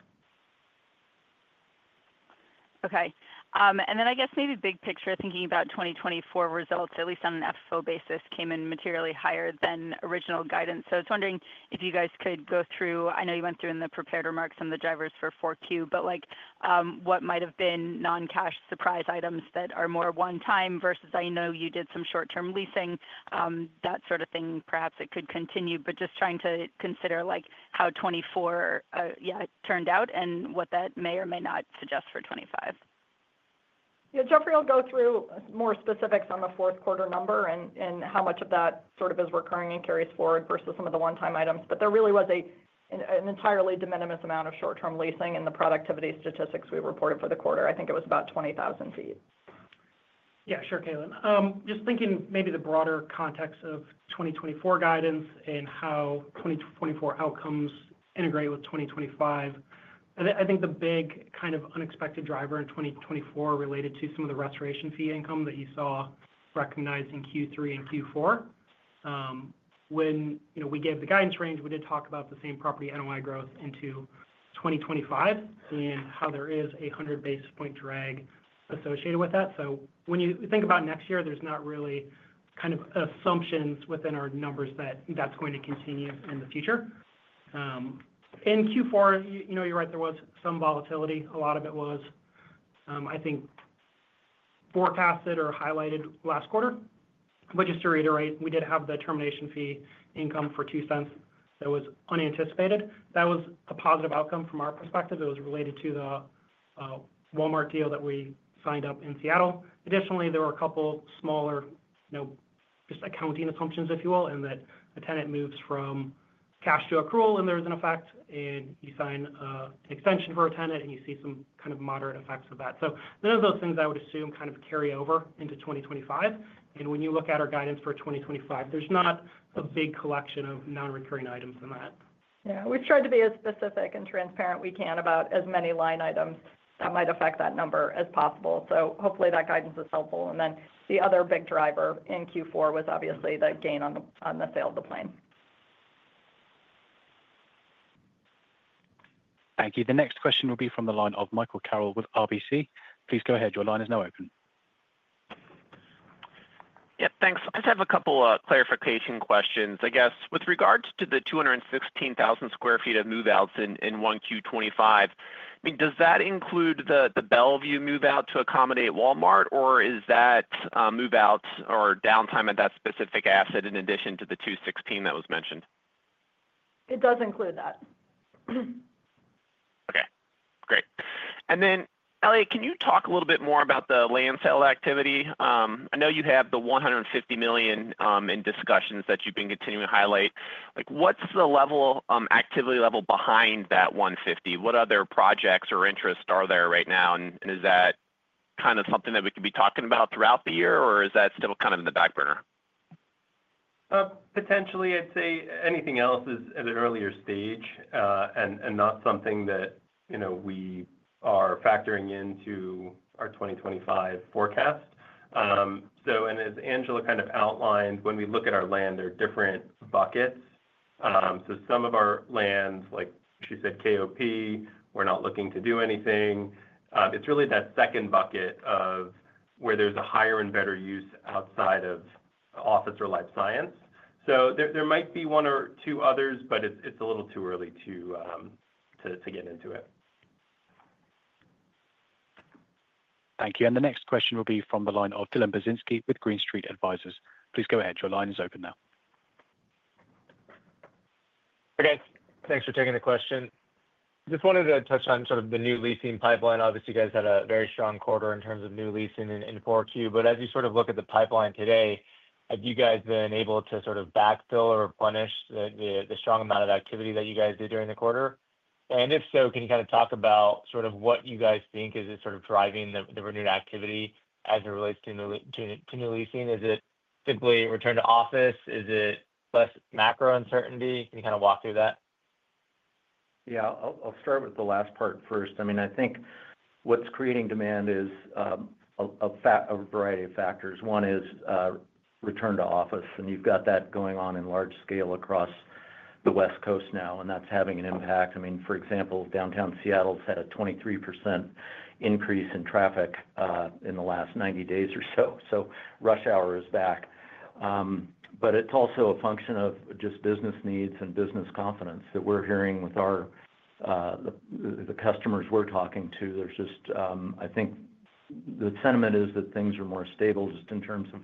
Okay. And then I guess maybe big picture, thinking about 2024 results, at least on an FFO basis, came in materially higher than original guidance. So I was wondering if you guys could go through, I know you went through in the prepared remarks and the drivers for 4Q, but what might have been non-cash surprise items that are more one-time versus I know you did some short-term leasing, that sort of thing, perhaps it could continue. But just trying to consider how 2024, yeah, turned out and what that may or may not suggest for 2025. Yeah. Jeffrey will go through more specifics on the fourth quarter number and how much of that sort of is recurring and carries forward versus some of the one-time items. But there really was an entirely de minimis amount of short-term leasing in the productivity statistics we reported for the quarter. I think it was about 20,000 sq ft. Yeah. Sure, Caitlin. Just thinking maybe the broader context of 2024 guidance and how 2024 outcomes integrate with 2025. I think the big kind of unexpected driver in 2024 related to some of the restoration fee income that you saw recognized in Q3 and Q4. When we gave the guidance range, we did talk about the same property NOI growth into 2025 and how there is a 100 basis point drag associated with that. So when you think about next year, there's not really kind of assumptions within our numbers that that's going to continue in the future. In Q4, you're right, there was some volatility. A lot of it was, I think, forecasted or highlighted last quarter. But just to reiterate, we did have the termination fee income for $0.02 that was unanticipated. That was a positive outcome from our perspective. It was related to the Walmart deal that we signed up in Seattle. Additionally, there were a couple of smaller just accounting assumptions, if you will, in that a tenant moves from cash to accrual, and there is an effect, and you sign an extension for a tenant, and you see some kind of moderate effects of that. So none of those things I would assume kind of carry over into 2025. And when you look at our guidance for 2025, there's not a big collection of non-recurring items in that. Yeah. We've tried to be as specific and transparent as we can about as many line items that might affect that number as possible. So hopefully that guidance is helpful, and then the other big driver in Q4 was obviously the gain on the sale of the plane. Thank you. The next question will be from the line of Michael Carroll with RBC. Please go ahead. Your line is now open. Yep. Thanks. I just have a couple of clarification questions. I guess with regards to the 216,000 sq ft of move-outs in 1Q25, I mean, does that include the Bellevue move-out to accommodate Walmart, or is that move-out or downtime at that specific asset in addition to the 216 that was mentioned? It does include that. Okay. Great. And then, Eliott, can you talk a little bit more about the land sale activity? I know you have the $150 million in discussions that you've been continuing to highlight. What's the activity level behind that $150? What other projects or interests are there right now? And is that kind of something that we could be talking about throughout the year, or is that still kind of in the back burner? Potentially, I'd say anything else is at an earlier stage and not something that we are factoring into our 2025 forecast. And as Angela kind of outlined, when we look at our land, there are different buckets. So some of our lands, like she said, KOP, we're not looking to do anything. It's really that second bucket of where there's a higher and better use outside of office or life science. So there might be one or two others, but it's a little too early to get into it. Thank you. And the next question will be from the line of Dylan Burzinski with Green Street Advisors. Please go ahead. Your line is open now. Okay. Thanks for taking the question. Just wanted to touch on sort of the new leasing pipeline. Obviously, you guys had a very strong quarter in terms of new leasing in 4Q. But as you sort of look at the pipeline today, have you guys been able to sort of backfill or replenish the strong amount of activity that you guys did during the quarter? And if so, can you kind of talk about sort of what you guys think is sort of driving the renewed activity as it relates to new leasing? Is it simply return to office? Is it less macro uncertainty? Can you kind of walk through that? Yeah. I'll start with the last part first. I mean, I think what's creating demand is a variety of factors. One is return to office. And you've got that going on in large scale across the West Coast now. That's having an impact. I mean, for example, downtown Seattle's had a 23% increase in traffic in the last 90 days or so. So rush hour is back. But it's also a function of just business needs and business confidence that we're hearing with the customers we're talking to. There's just, I think, the sentiment is that things are more stable just in terms of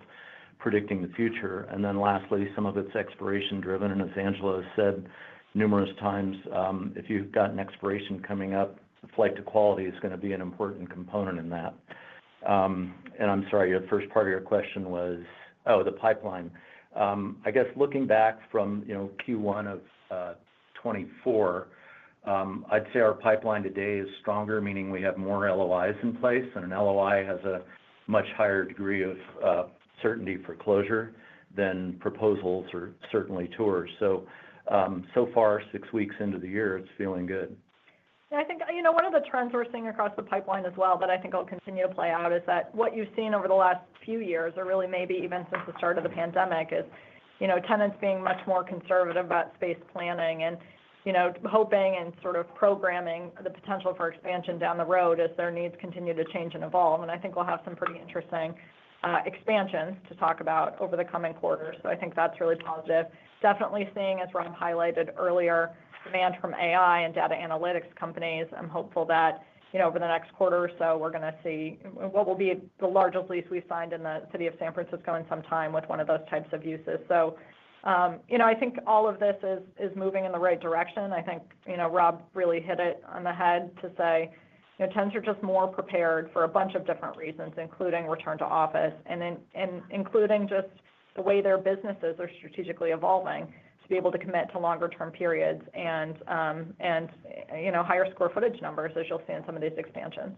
predicting the future. And then lastly, some of it's expiration-driven. And as Angela has said numerous times, if you've got an expiration coming up, the flight to quality is going to be an important component in that. And I'm sorry, your first part of your question was, oh, the pipeline. I guess looking back from Q1 of 2024, I'd say our pipeline today is stronger, meaning we have more LOIs in place. An LOI has a much higher degree of certainty for closure than proposals or certainly tours. So far, six weeks into the year, it's feeling good. Yeah. I think one of the trends we're seeing across the pipeline as well that I think will continue to play out is that what you've seen over the last few years, or really maybe even since the start of the pandemic, is tenants being much more conservative about space planning and hoping and sort of programming the potential for expansion down the road as their needs continue to change and evolve. And I think we'll have some pretty interesting expansions to talk about over the coming quarter. So I think that's really positive. Definitely seeing, as Rob highlighted earlier, demand from AI and data analytics companies. I'm hopeful that over the next quarter or so, we're going to see what will be the largest lease we've signed in the city of San Francisco in some time with one of those types of uses. So I think all of this is moving in the right direction. I think Rob really hit it on the head to say tenants are just more prepared for a bunch of different reasons, including return to office and including just the way their businesses are strategically evolving to be able to commit to longer-term periods and higher square footage numbers, as you'll see in some of these expansions.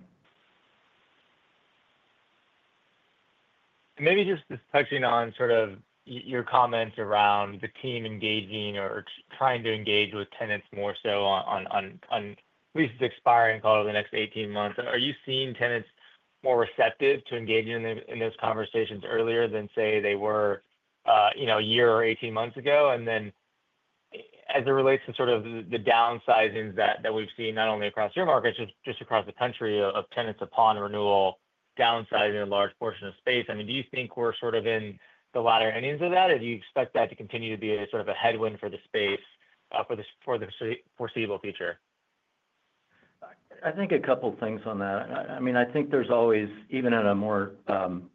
Maybe just touching on sort of your comments around the team engaging or trying to engage with tenants more so on leases expiring over the next 18 months, are you seeing tenants more receptive to engaging in those conversations earlier than, say, they were a year or 18 months ago? And then as it relates to sort of the downsizings that we've seen not only across your market, just across the country of tenants upon renewal downsizing a large portion of space, I mean, do you think we're sort of in the latter endings of that? Do you expect that to continue to be sort of a headwind for the space for the foreseeable future? I think a couple of things on that. I mean, I think there's always, even at a more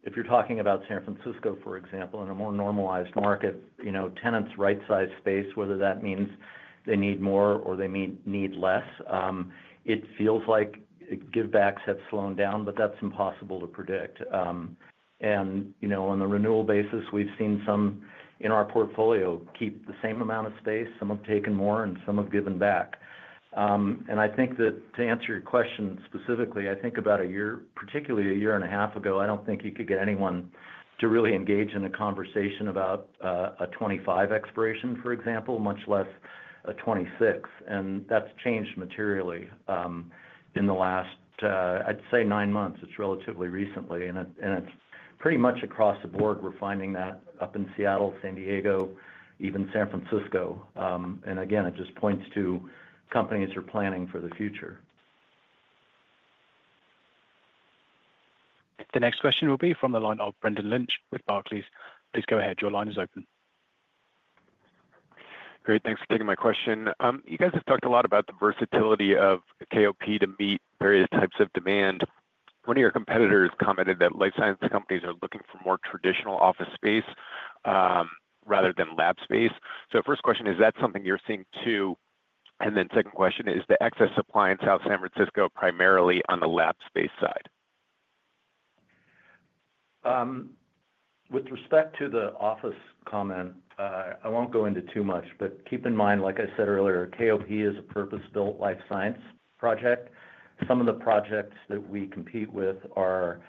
if you're talking about San Francisco, for example, in a more normalized market, tenants' right-sized space, whether that means they need more or they need less, it feels like give-backs have slowed down, but that's impossible to predict. And on the renewal basis, we've seen some in our portfolio keep the same amount of space. Some have taken more, and some have given back. And I think that to answer your question specifically, I think about a year, particularly a year and a half ago, I don't think you could get anyone to really engage in a conversation about a 2025 expiration, for example, much less a 2026. And that's changed materially in the last, I'd say, nine months. It's relatively recently. And it's pretty much across the board. We're finding that up in Seattle, San Diego, even San Francisco, and again, it just points to companies who are planning for the future. The next question will be from the line of Brendan Lynch with Barclays. Please go ahead. Your line is open. Great. Thanks for taking my question. You guys have talked a lot about the versatility of KOP to meet various types of demand. One of your competitors commented that life science companies are looking for more traditional office space rather than lab space. So first question, is that something you're seeing too? And then second question, is the excess supply in South San Francisco primarily on the lab space side? With respect to the office comment, I won't go into too much, but keep in mind, like I said earlier, KOP is a purpose-built life science project. Some of the projects that we compete with are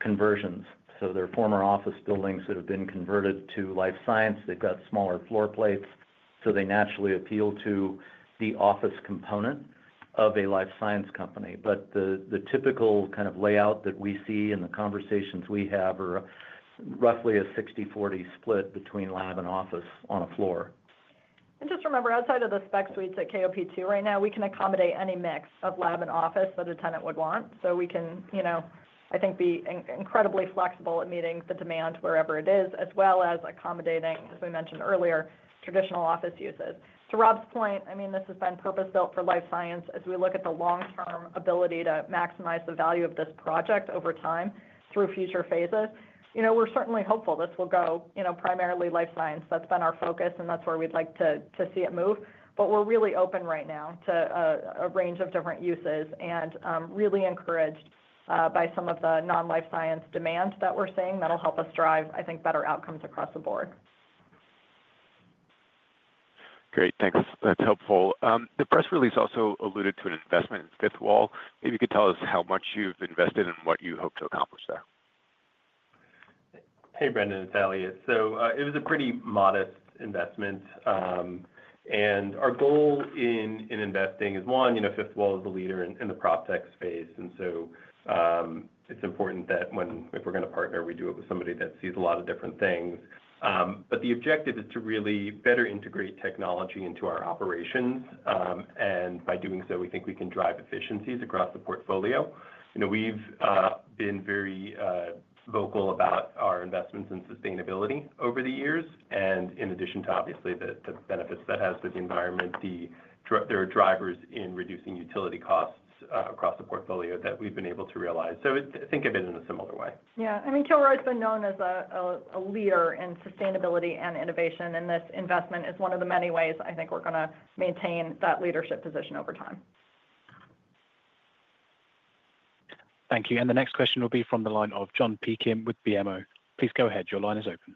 conversions, so there are former office buildings that have been converted to life science. They've got smaller floor plates, so they naturally appeal to the office component of a life science company, but the typical kind of layout that we see in the conversations we have are roughly a 60/40 split between lab and office ona floor. Just remember, outside of the spec suites at KOP too, right now, we can accommodate any mix of lab and office that a tenant would want. So we can, I think, be incredibly flexible at meeting the demand wherever it is, as well as accommodating, as we mentioned earlier, traditional office uses. To Rob's point, I mean, this has been purpose-built for life science as we look at the long-term ability to maximize the value of this project over time through future phases. We're certainly hopeful this will go primarily life science. That's been our focus, and that's where we'd like to see it move. But we're really open right now to a range of different uses and really encouraged by some of the non-life science demand that we're seeing that'll help us drive, I think, better outcomes across the board. Great. Thanks. That's helpful. The press release also alluded to an investment in Fifth Wall. Maybe you could tell us how much you've invested and what you hope to accomplish there. Hey, Brendan its Elliot, So it was a pretty modest investment. And our goal in investing is, one, Fifth Wall is the leader in the PropTech space. And so it's important that if we're going to partner, we do it with somebody that sees a lot of different things. But the objective is to really better integrate technology into our operations. And by doing so, we think we can drive efficiencies across the portfolio. We've been very vocal about our investments in sustainability over the years. And in addition to, obviously, the benefits that has to the environment, there are drivers in reducing utility costs across the portfolio that we've been able to realize. So think of it in a similar way. Yeah. I mean, Kilroy's been known as a leader in sustainability and innovation. And this investment is one of the many ways I think we're going to maintain that leadership position over time. Thank you. And the next question will be from the line of John P. Kim with BMO. Please go ahead. Your line is open.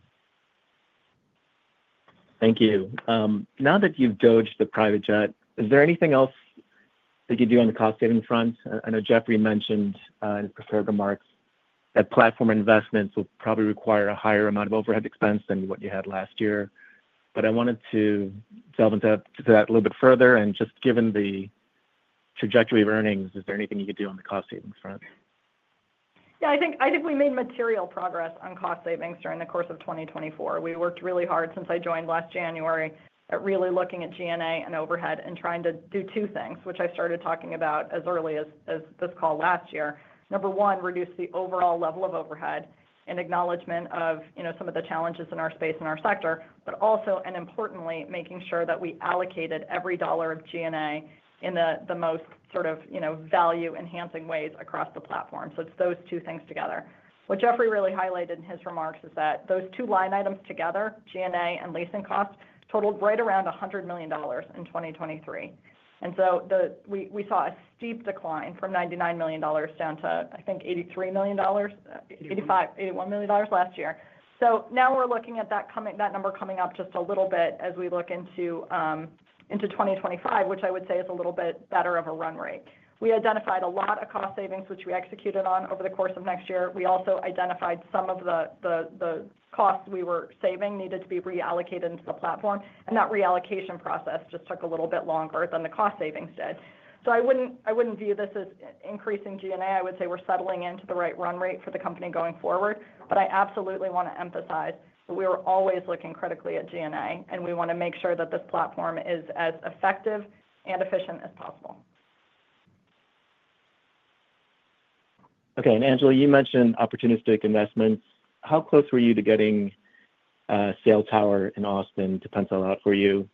Thank you. Now that you've dodged the private jet, is there anything else that you do on the cost-saving front? I know Jeffrey mentioned in his prepared remarks that platform investments will probably require a higher amount of overhead expense than what you had last year. But I wanted to delve into that a little bit further, and just given the trajectory of earnings, is there anything you could do on the cost-savings front? Yeah. I think we made material progress on cost savings during the course of 2024. We worked really hard since I joined last January at really looking at G&A and overhead and trying to do two things, which I started talking about as early as this call last year. Number one, reduce the overall level of overhead in acknowledgment of some of the challenges in our space and our sector, but also, and importantly, making sure that we allocated every dollar of G&A in the most sort of value-enhancing ways across the platform. So it's those two things together. What Jeffrey really highlighted in his remarks is that those two line items together, G&A and leasing costs, totaled right around $100 million in 2023. And so we saw a steep decline from $99 million down to, I think, $83 million, $85, $81 million last year. So now we're looking at that number coming up just a little bit as we look into 2025, which I would say is a little bit better of a run rate. We identified a lot of cost savings, which we executed on over the course of next year. We also identified some of the costs we were saving needed to be reallocated into the platform. And that reallocation process just took a little bit longer than the cost savings did. So I wouldn't view this as increasing G&A. I would say we're settling into the right run rate for the company going forward. But I absolutely want to emphasize that we are always looking critically at G&A, and we want to make sure that this platform is as effective and efficient as possible. Okay. And Angela, you mentioned opportunistic investments. How close were you to getting Sail Tower in Austin to pencil out for you?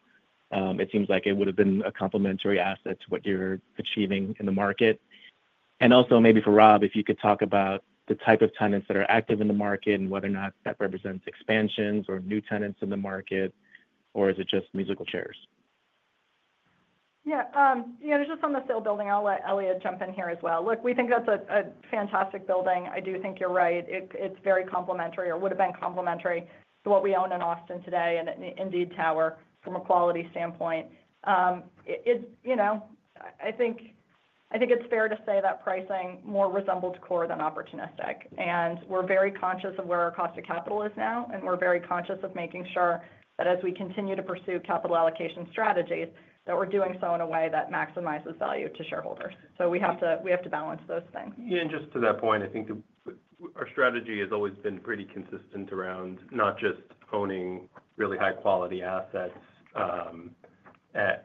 It seems like it would have been a complementary asset to what you're achieving in the market. And also maybe for Rob, if you could talk about the type of tenants that are active in the market and whether or not that represents expansions or new tenants in the market, or is it just musical chairs? Yeah. Yeah. Just on the Sail building, I'll let Eliott jump in here as well. Look, we think that's a fantastic building. I do think you're right. It's very complementary or would have been complementary to what we own in Austin today and Indeed Tower from a quality standpoint. I think it's fair to say that pricing more resembled core than opportunistic. And we're very conscious of where our cost of capital is now. And we're very conscious of making sure that as we continue to pursue capital allocation strategies, that we're doing so in a way that maximizes value to shareholders. So we have to balance those things. Yeah. And just to that point, I think our strategy has always been pretty consistent around not just owning really high-quality assets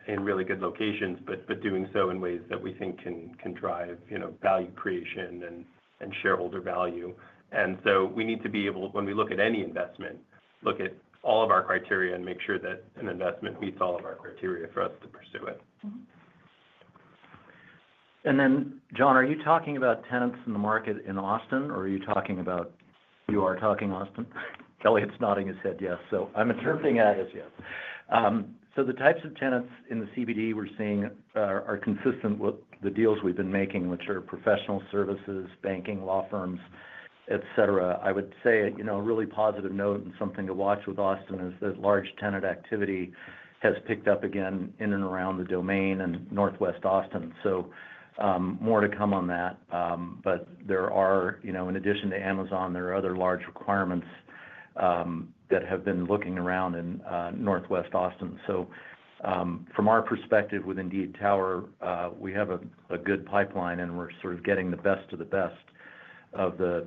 in really good locations, but doing so in ways that we think can drive value creation and shareholder value. And so we need to be able, when we look at any investment, look at all of our criteria and make sure that an investment meets all of our criteria for us to pursue it. Then, John, are you talking about tenants in the market in Austin, or are you talking about Austin? Elliot is nodding his head yes. So I'm interpreting that as yes. So the types of tenants in the CBD we're seeing are consistent with the deals we've been making, which are professional services, banking, law firms, etc. I would say a really positive note and something to watch with Austin is that large tenant activity has picked up again in and around The Domain and Northwest Austin. So more to come on that. But in addition to Amazon, there are other large requirements that have been looking around in Northwest Austin. So from our perspective with Indeed Tower, we have a good pipeline, and we're sort of getting the best of the best of the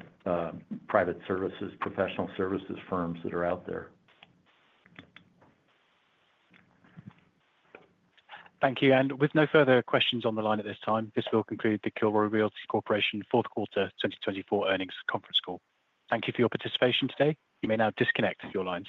private services, professional services firms that are out there. Thank you. And with no further questions on the line at this time, this will conclude the Kilroy Realty Corporation Fourth Quarter 2024 Earnings Conference Call. Thank you for your participation today. You may now disconnect if your line.